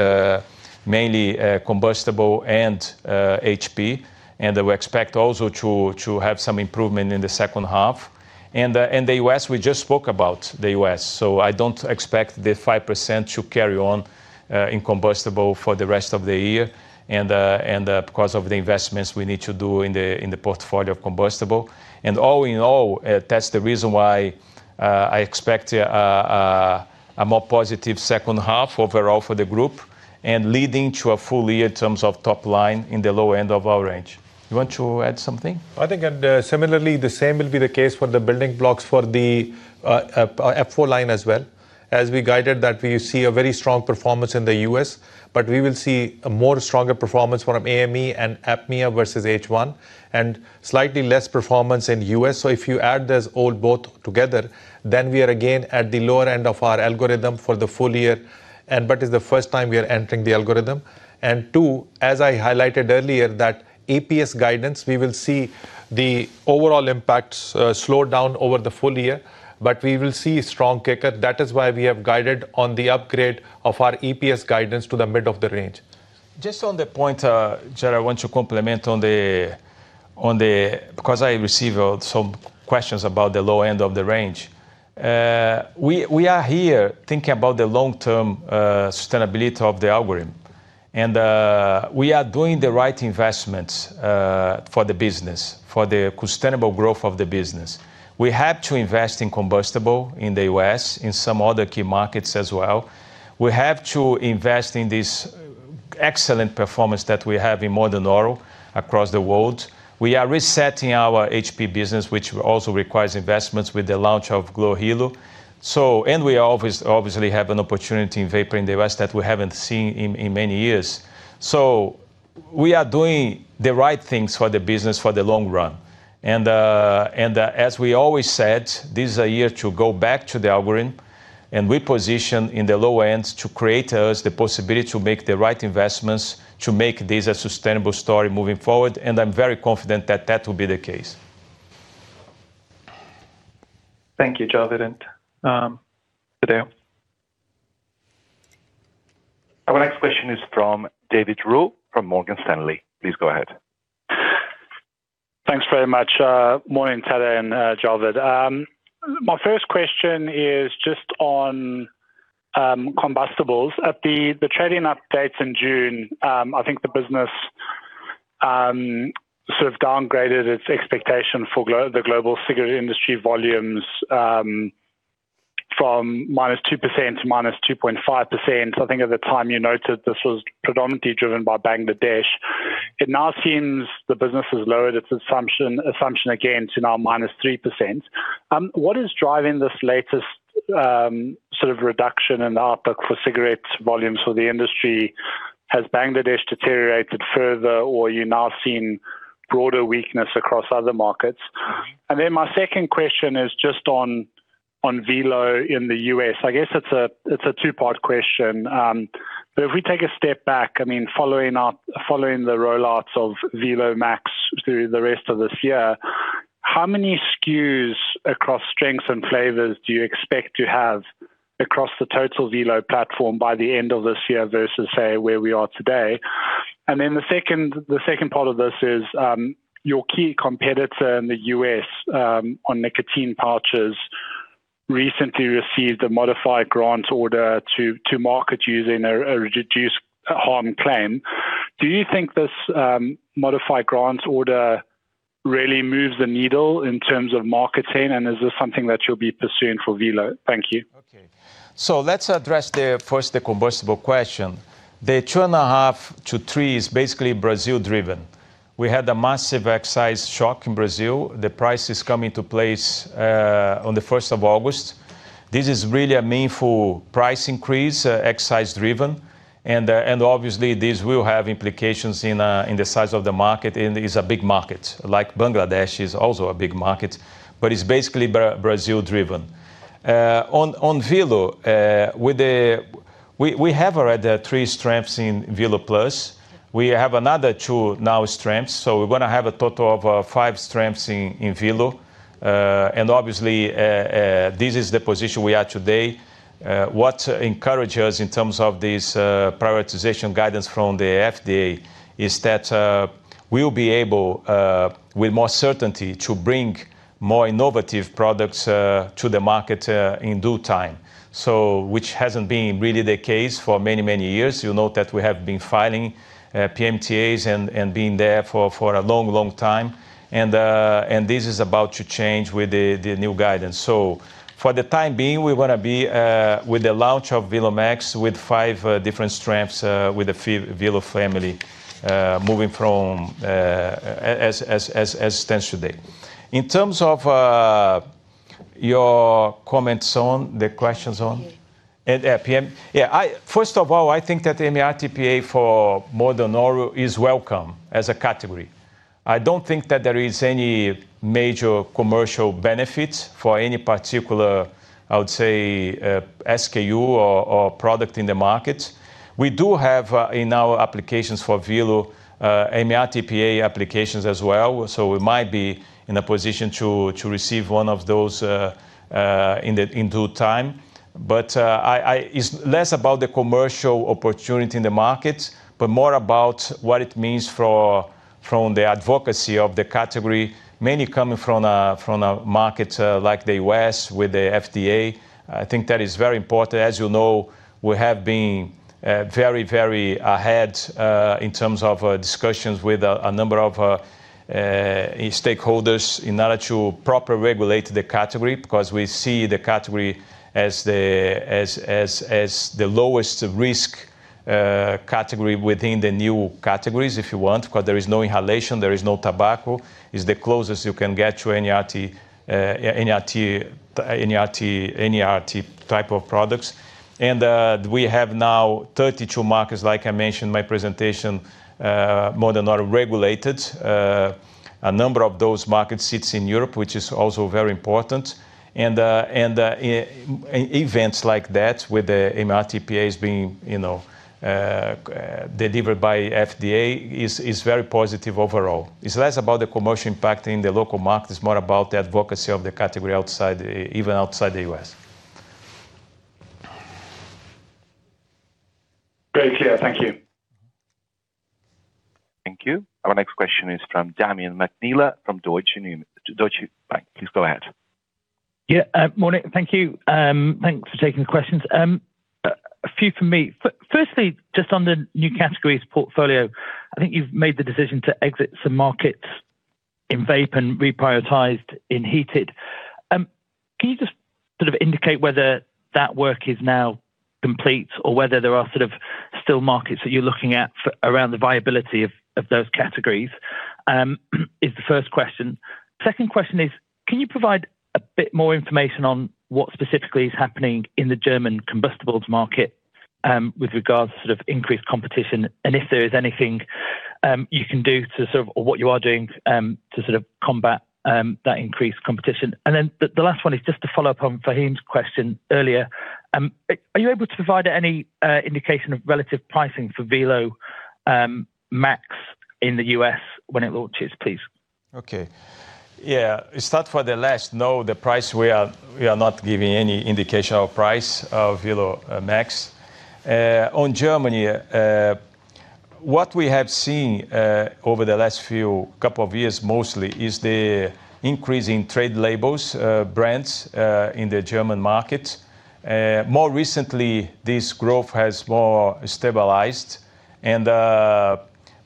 mainly combustible and HP, and we expect also to have some improvement in the second half. The U.S., we just spoke about the U.S., I don't expect the 5% to carry on in combustible for the rest of the year and because of the investments we need to do in the portfolio of combustible. All in all, that's the reason why I expect a more positive second half overall for the group and leading to a full year in terms of top line in the lower end of our range. You want to add something? Similarly, the same will be the case for the building blocks for the APFO line as well. As we guided that we see a very strong performance in the U.S., but we will see a more stronger performance from AME and APMEA versus H1, and slightly less performance in the U.S. If you add this all both together, then we are again at the lower end of our algorithm for the full year, and but it's the first time we are entering the algorithm. Two, as I highlighted earlier, that EPS guidance, we will see the overall impacts slow down over the full year, but we will see a strong kicker. That is why we have guided on the upgrade of our EPS guidance to the mid of the range. Just on that point, Javed, I want to complement on the because I received some questions about the low end of the range. We are here thinking about the long-term sustainability of the algorithm. We are doing the right investments for the business, for the sustainable growth of the business. We have to invest in combustible in the U.S., in some other key markets as well. We have to invest in this excellent performance that we have in Modern Oral across the world. We are resetting our HP business, which also requires investments with the launch of glo Hilo. We obviously have an opportunity in Vapour in the U.S. that we haven't seen in many years. We are doing the right things for the business for the long run. As we always said, this is a year to go back to the algorithm, and reposition in the low end to create us the possibility to make the right investments to make this a sustainable story moving forward. I'm very confident that that will be the case. Thank you, Javed and Tadeu. Our next question is from David Roux from Morgan Stanley. Please go ahead. Thanks very much. Morning, Tadeu and Javed. My first question is just on combustibles. At the trading updates in June, I think the business sort of downgraded its expectation for the global cigarette industry volumes from -2% to -2.5%. I think at the time you noted this was predominantly driven by Bangladesh. It now seems the business has lowered its assumption again to now -3%. What is driving this latest sort of reduction in the outlook for cigarette volumes for the industry? Has Bangladesh deteriorated further, or are you now seeing broader weakness across other markets? My second question is just on Velo in the U.S. I guess it's a two-part question. If we take a step back, following the rollouts of Velo Max through the rest of this year, how many SKUs across strengths and flavors do you expect to have across the total Velo platform by the end of this year versus, say, where we are today? The second part of this is, your key competitor in the U.S. on nicotine pouches recently received a modified grant order to market using a reduced harm claim. Do you think this modified grant order really moves the needle in terms of marketing, and is this something that you'll be pursuing for Velo? Thank you. Okay. Let's address first the combustible question. The 2.5%-3% is basically Brazil-driven. We had a massive excise shock in Brazil. The price is coming to place on the 1st of August. This is really a meaningful price increase, excise-driven. Obviously, this will have implications in the size of the market, and it's a big market. Bangladesh is also a big market, it's basically Brazil-driven. On Velo, we have already three strengths in Velo Plus. We have another two now strengths, we're going to have a total of five strengths in Velo. Obviously, this is the position we are today. What encourages in terms of this prioritization guidance from the FDA is that we'll be able, with more certainty, to bring more innovative products to the market in due time. Which hasn't been really the case for many, many years. You note that we have been filing PMTAs and being there for a long, long time. This is about to change with the new guidance. For the time being, we're going to be with the launch of Velo Max with five different strengths with the Velo family moving from, as stands today. In terms of, your comments on, the question is on? [inaudible] [inaudible] First of all, I think that the MRTPA for more than oral is welcome as a category. I don't think that there is any major commercial benefit for any particular, I would say, SKU or product in the market. We do have in our applications for Velo, MRTPA applications as well. We might be in a position to receive one of those in due time. It's less about the commercial opportunity in the market, more about what it means from the advocacy of the category, mainly coming from a market like the U.S. with the FDA. I think that is very important. As you know, we have been very ahead in terms of discussions with a number of stakeholders in order to proper regulate the category because we see the category as the lowest risk category within the New Categories, if you want, because there is no inhalation, there is no tobacco. It is the closest you can get to any [NRT type of products]. We have now 32 markets, like I mentioned my presentation, more than are regulated. A number of those markets sits in Europe, which is also very important. Events like that with the MRTPAs being delivered by FDA is very positive overall. It's less about the commercial impact in the local markets, more about the advocacy of the category even outside the U.S. Very clear. Thank you. Thank you. Our next question is from Damian McNeela from Deutsche Numis. Please go ahead. Morning. Thank you. Thanks for taking the questions. A few from me. Firstly, just on the New Categories portfolio, I think you've made the decision to exit some markets in vape and reprioritized in heated. Can you just indicate whether that work is now complete or whether there are still markets that you're looking at around the viability of those categories? Is the first question. Second question is, can you provide a bit more information on what specifically is happening in the German combustibles market, with regards to increased competition, and if there is anything you can do or what you are doing, to combat that increased competition? Then the last one is just to follow up on Faham's question earlier. Are you able to provide any indication of relative pricing for Velo Max in the U.S. when it launches, please? To start for the last, no, the price, we are not giving any indication of price of Velo Max. On Germany, what we have seen over the last few couple of years mostly is the increase in trade labels brands in the German market. More recently, this growth has more stabilized.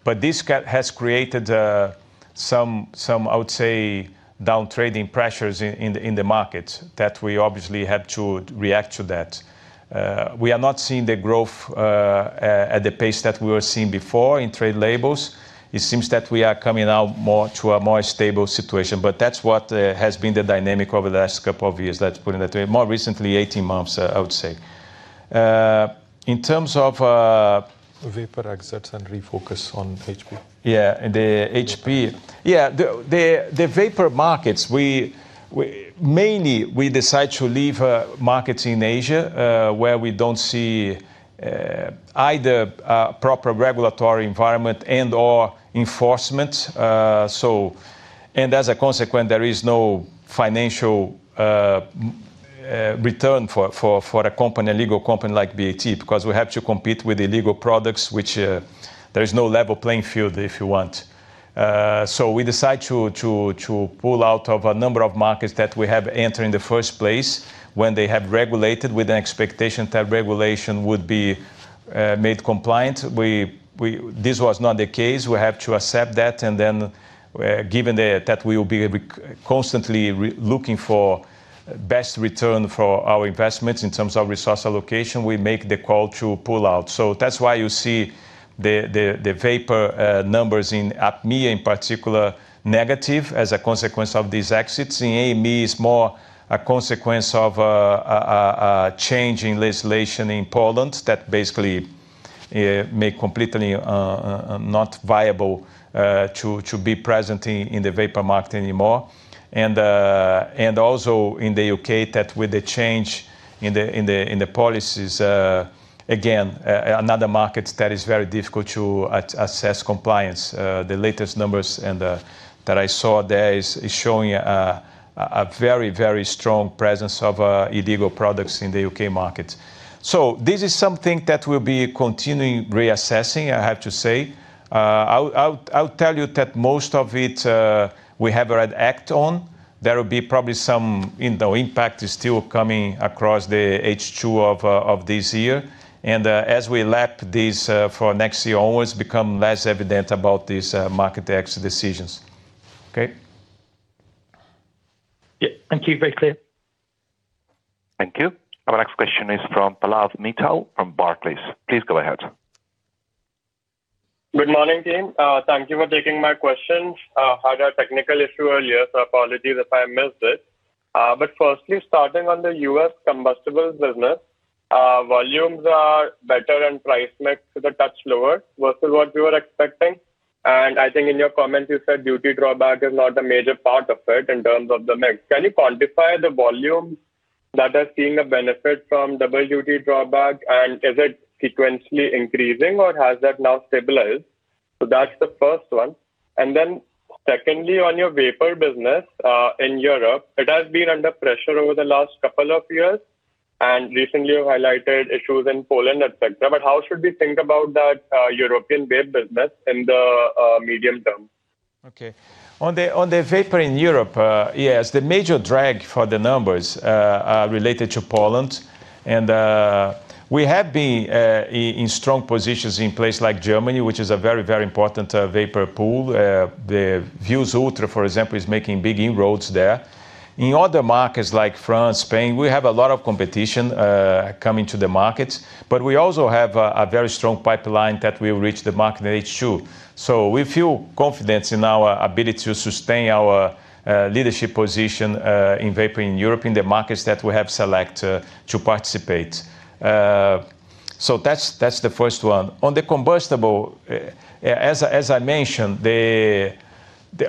This has created some, I would say, down trading pressures in the market that we obviously have to react to that. We are not seeing the growth at the pace that we were seeing before in trade labels. It seems that we are coming now to a more stable situation. That's what has been the dynamic over the last couple of years. Let's put it that way. More recently, 18 months, I would say. In terms of- Vapour exits and refocus on HP. Yeah, the HP. Yeah. The Vapour markets, mainly we decide to leave markets in Asia, where we don't see either a proper regulatory environment and/or enforcement. As a consequence, there is no financial return for a legal company like BAT, because we have to compete with illegal products, which there is no level playing field if you want. We decide to pull out of a number of markets that we have entered in the first place when they have regulated with an expectation that regulation would be made compliant. This was not the case. We have to accept that, Given that we will be constantly looking for best return for our investments in terms of resource allocation, we make the call to pull out. That's why you see the Vapour numbers in APMEA in particular, negative as a consequence of these exits. In AME is more a consequence of a change in legislation in Poland that basically make completely not viable to be present in the Vapour market anymore. Also in the U.K. that with the change in the policies, again, another market that is very difficult to assess compliance. The latest numbers that I saw there is showing a very strong presence of illegal products in the U.K. market. This is something that we'll be continuing reassessing, I have to say. I'll tell you that most of it we have already act on. There will be probably some impact still coming across the H2 of this year. As we lap this for next year, always become less evident about these market exit decisions. Okay? Yeah. Thank you. Very clear. Thank you. Our next question is from Pallav Mittal from Barclays. Please go ahead. Good morning, team. Thank you for taking my questions. I had a technical issue earlier, so apologies if I missed it. Firstly, starting on the U.S. combustibles business, volumes are better and price mix is a touch lower versus what we were expecting. I think in your comments, you said duty drawback is not a major part of it in terms of the mix. Can you quantify the volume that are seeing a benefit from the duty drawback, and is it sequentially increasing or has that now stabilized? That's the first one. Secondly, on your Vapour business, in Europe, it has been under pressure over the last couple of years, and recently you highlighted issues in Poland, et cetera, but how should we think about that European Vapour business in the medium term? Okay. On the Vapour in Europe, yes, the major drag for the numbers are related to Poland. We have been in strong positions in places like Germany, which is a very important Vapour pool. The Vuse Ultra, for example, is making big inroads there. In other markets like France, Spain, we have a lot of competition coming to the market, we also have a very strong pipeline that will reach the market in H2. We feel confidence in our ability to sustain our leadership position in Vapour in Europe, in the markets that we have select to participate. That's the first one. On the combustible, as I mentioned,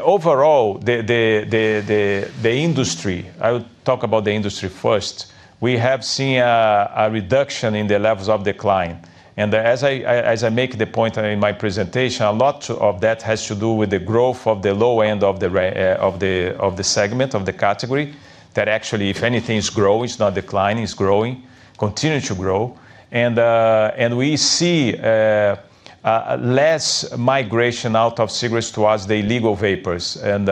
overall, the industry, I'll talk about the industry first. We have seen a reduction in the levels of decline. As I make the point in my presentation, a lot of that has to do with the growth of the low end of the segment, of the category. Actually, if anything, it's growing. It's not declining, it's growing. Continuing to grow. We see less migration out of cigarettes towards the illegal Vapours, and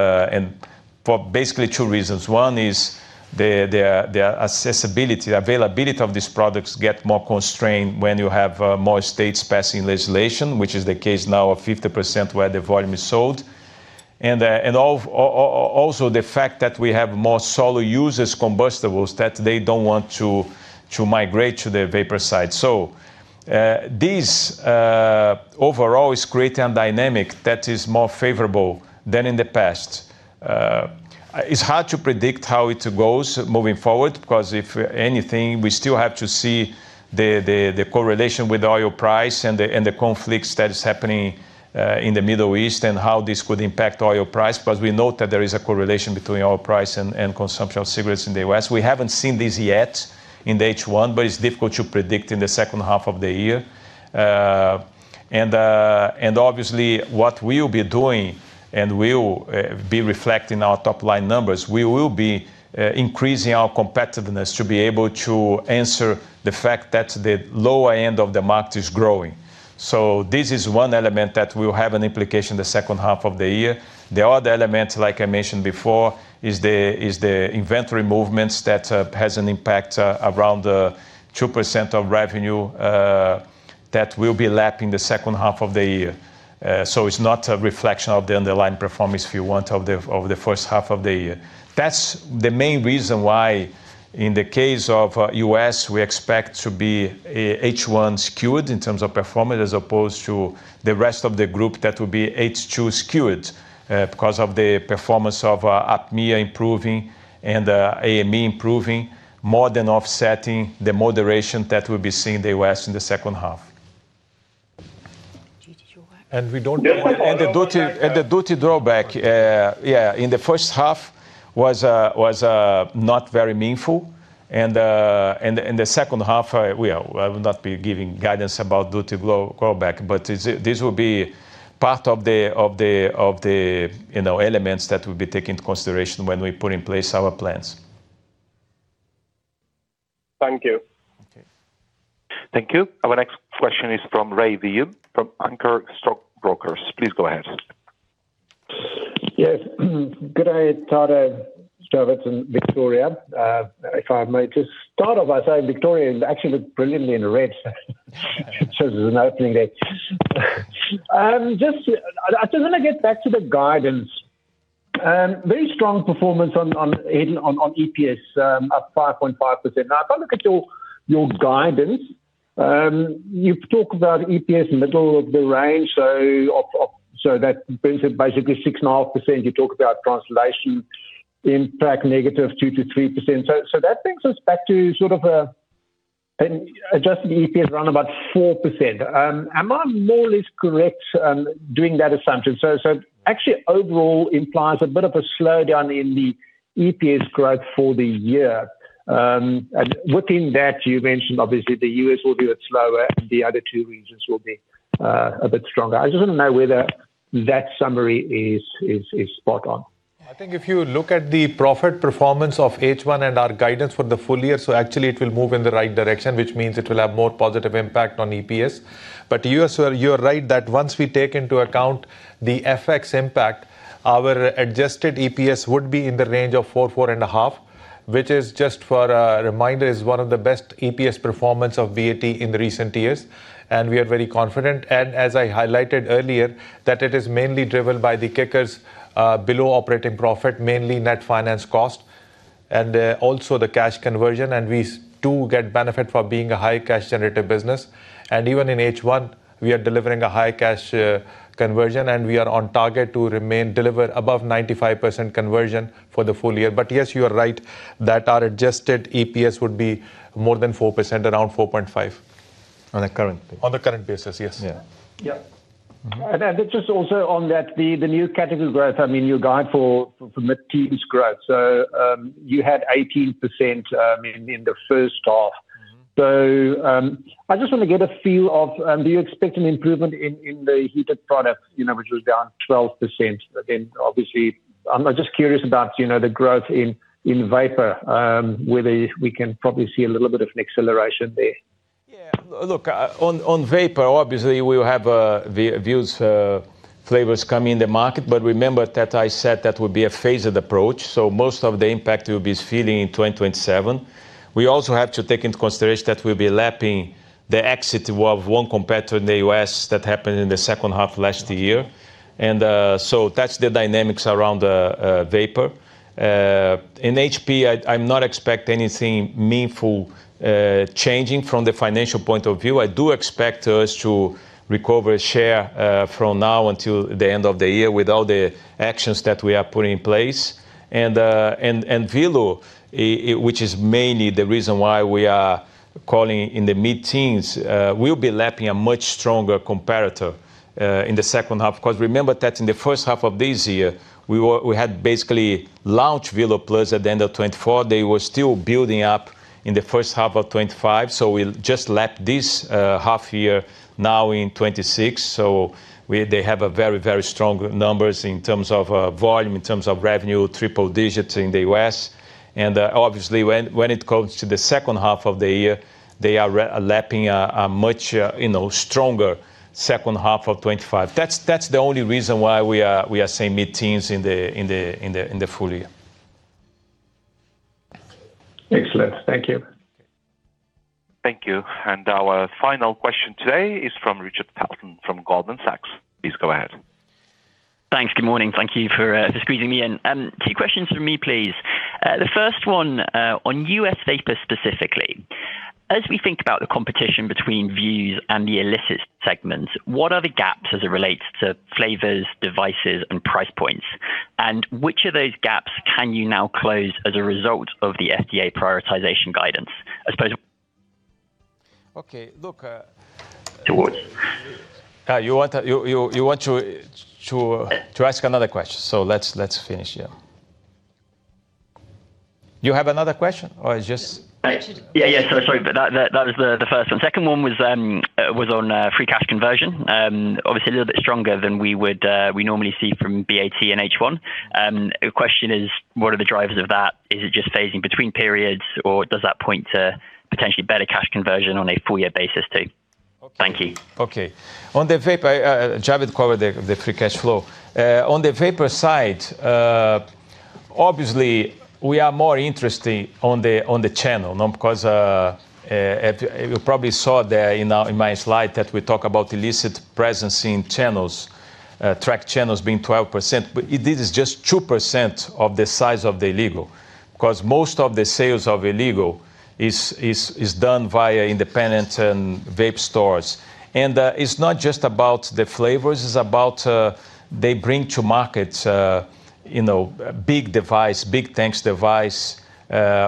for basically two reasons. One is the accessibility, availability of these products get more constrained when you have more states passing legislation, which is the case now of 50% where the volume is sold. Also the fact that we have more solo users combustibles that they don't want to migrate to the Vapour side. This overall is creating a dynamic that is more favorable than in the past. It's hard to predict how it goes moving forward, because if anything, we still have to see the correlation with oil price and the conflicts that is happening in the Middle East and how this could impact oil price. We note that there is a correlation between oil price and consumption of cigarettes in the U.S. We haven't seen this yet in the H1, but it's difficult to predict in the second half of the year. Obviously, what we'll be doing and will be reflecting our top-line numbers, we will be increasing our competitiveness to be able to answer the fact that the lower end of the market is growing. This is one element that will have an implication the second half of the year. The other element, like I mentioned before, is the inventory movements that has an impact around the 2% of revenue, that will be lapping the second half of the year. It's not a reflection of the underlying performance, if you want, of the first half of the year. That's the main reason why, in the case of U.S., we expect to be H1 skewed in terms of performance as opposed to the rest of the group that will be H2 skewed, because of the performance of APMEA improving and AME improving, more than offsetting the moderation that we'll be seeing in the U.S. in the second half. duty drawback. The duty drawback, yeah. In the first half was not very meaningful. The second half, I will not be giving guidance about duty drawback, but this will be part of the elements that will be taken into consideration when we put in place our plans. Thank you. Okay. Thank you. Our next question is from Rey Wium from Anchor Stockbrokers. Please go ahead. Yes. Good day, Tadeu, Javed and Victoria. If I may just start off by saying Victoria actually looks brilliantly in red. Shows there's an opening there. I just want to get back to the guidance. Very strong performance on EPS, up 5.5%. If I look at your guidance, you talk about EPS middle of the range, that brings it basically 6.5%. That brings us back to an adjusted EPS around about 4%. Am I more or less correct doing that assumption? Actually overall implies a bit of a slowdown in the EPS growth for the year. Within that you mentioned obviously the U.S. will be a bit slower and the other two regions will be a bit stronger. I just want to know whether that summary is spot on. I think if you look at the profit performance of H1 and our guidance for the full year, actually it will move in the right direction, which means it will have more positive impact on EPS. You are right that once we take into account the FX impact, our adjusted EPS would be in the range of 4%, 4.5%, which is just for a reminder, is one of the best EPS performance of BAT in recent years. We are very confident, and as I highlighted earlier, that it is mainly driven by the kickers below operating profit, mainly net finance cost. Also the cash conversion. We do get benefit from being a high cash generative business. Even in H1, we are delivering a high cash conversion, and we are on target to remain delivered above 95% conversion for the full year. Yes, you are right that our adjusted EPS would be more than 4%, around 4.5%. On a current basis. On the current basis, yes. Yeah. Just also on that, the New Category growth, your guide for mid-teens growth. You had 18% in the first half. I just want to get a feel of, do you expect an improvement in the Heated Products, which was down 12%? Obviously, I'm just curious about the growth in Vapour, whether we can probably see a little bit of an acceleration there. Yeah, look, on Vapour, obviously we will have Vuse flavors coming in the market. Remember that I said that would be a phased approach, so most of the impact will be feeling in 2027. We also have to take into consideration that we'll be lapping the exit of one competitor in the U.S. that happened in the second half of last year. That's the dynamics around Vapour. In HP, I'm not expecting anything meaningful changing from the financial point of view. I do expect us to recover share from now until the end of the year with all the actions that we are putting in place. Velo, which is mainly the reason why we are calling in the mid-teens, will be lapping a much stronger competitor in the second half. Remember that in the first half of this year, we had basically launched Velo Plus at the end of 2024. They were still building up in the first half of 2025. We'll just lap this half year now in 2026. They have very strong numbers in terms of volume, in terms of revenue, triple digits in the U.S. Obviously, when it comes to the second half of the year, they are lapping a much stronger second half of 2025. That's the only reason why we are saying mid-teens in the full year. Excellent. Thank you. Thank you. Our final question today is from Richard Felton from Goldman Sachs. Please go ahead. Thanks. Good morning. Thank you for squeezing me in. Two questions from me, please. The first one, on U.S. Vapour specifically. As we think about the competition between Vuse and the illicit segments, what are the gaps as it relates to flavors, devices, and price points? Which of those gaps can you now close as a result of the FDA prioritization guidance, I suppose? Okay. [inaudible] You want to ask another question? Let's finish here. You have another question? Sorry, that was the first one. Second one was on free cash conversion. Obviously, a little bit stronger than we normally see from BAT in H1. The question is, what are the drivers of that? Is it just phasing between periods, or does that point to potentially better cash conversion on a full-year basis, too? Thank you. Okay. On the Vapour, Javed covered the free cash flow. On the Vapour side, obviously, we are more interested on the channel, because you probably saw there in my slide that we talk about illicit presence in channels, track channels being 12%. This is just 2% of the size of the illegal, because most of the sales of illegal is done via independent and vape stores. It's not just about the flavors, it's about they bring to markets, big device, big tanks device,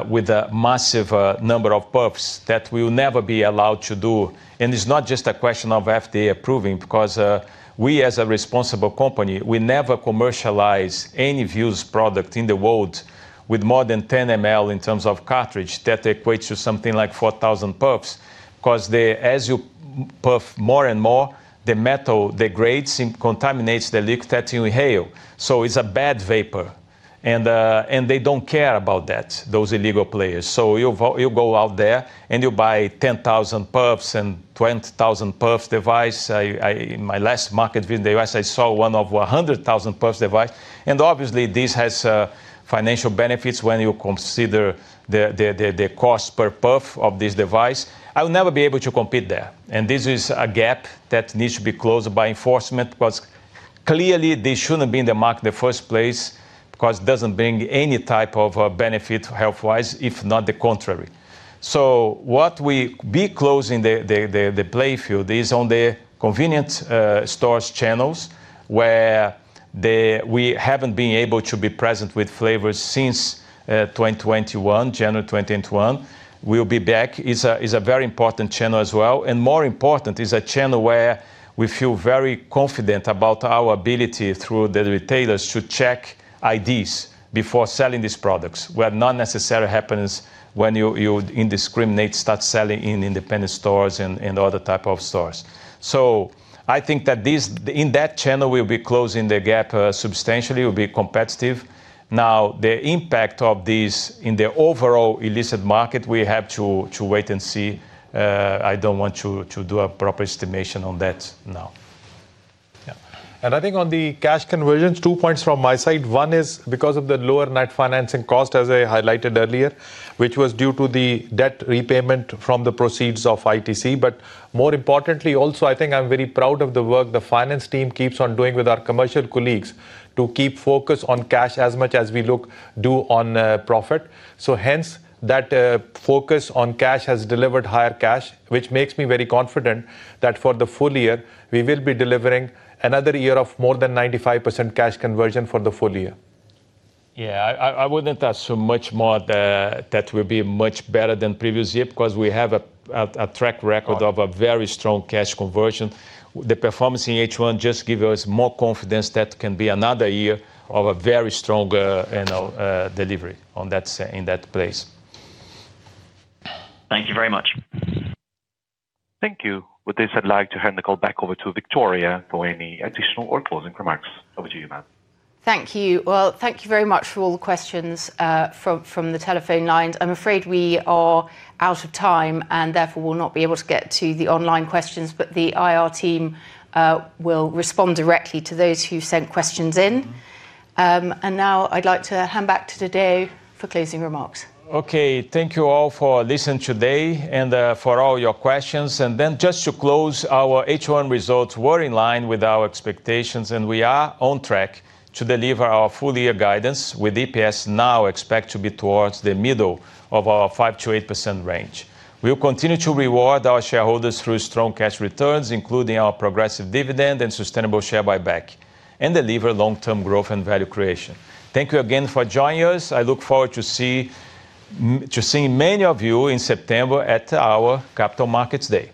with a massive number of puffs that we will never be allowed to do. It's not just a question of FDA approving, because we as a responsible company, we never commercialize any Vuse product in the world with more than 10 mL in terms of cartridge. That equates to something like 4,000 puffs, because as you puff more and more, the metal degrades and contaminates the liquid that you inhale. It's a bad Vapour. They don't care about that, those illegal players. You go out there and you buy 10,000 puffs and 20,000 puffs device. In my last market visit in the U.S., I saw one of 100,000 puffs device. Obviously this has financial benefits when you consider the cost per puff of this device. I will never be able to compete there. This is a gap that needs to be closed by enforcement, because clearly they shouldn't be in the market in the first place because it doesn't bring any type of benefit health-wise, if not the contrary. What we be closing the playfield is on the convenience stores channels, where we haven't been able to be present with flavors since January 2021. We'll be back. It's a very important channel as well. More important, it's a channel where we feel very confident about our ability through the retailers to check IDs before selling these products, where it not necessarily happens when you indiscriminately start selling in independent stores and other type of stores. I think that in that channel, we'll be closing the gap substantially. We'll be competitive. The impact of this in the overall illicit market, we have to wait and see. I don't want to do a proper estimation on that now. I think on the cash conversion, two points from my side. One is because of the lower net financing cost, as I highlighted earlier, which was due to the debt repayment from the proceeds of ITC. More importantly, also, I think I'm very proud of the work the finance team keeps on doing with our commercial colleagues to keep focus on cash as much as we do on profit. Hence that focus on cash has delivered higher cash, which makes me very confident that for the full year, we will be delivering another year of more than 95% cash conversion for the full year. I wouldn't ask so much more that will be much better than previous year because we have a track record of a very strong cash conversion. The performance in H1 just give us more confidence that can be another year of a very strong delivery in that place. Thank you very much. Thank you. With this, I'd like to hand the call back over to Victoria for any additional or closing remarks. Over to you, ma'am. Thank you. Well, thank you very much for all the questions from the telephone lines. I'm afraid we are out of time, and therefore will not be able to get to the online questions, but the IR team will respond directly to those who sent questions in. Now I'd like to hand back to Tadeu for closing remarks. Okay. Thank you all for listening today and for all your questions. Just to close, our H1 results were in line with our expectations, and we are on track to deliver our full-year guidance, with EPS now expect to be towards the middle of our 5%-8% range. We'll continue to reward our shareholders through strong cash returns, including our progressive dividend and sustainable share buyback, and deliver long-term growth and value creation. Thank you again for joining us. I look forward to seeing many of you in September at our Capital Markets Day.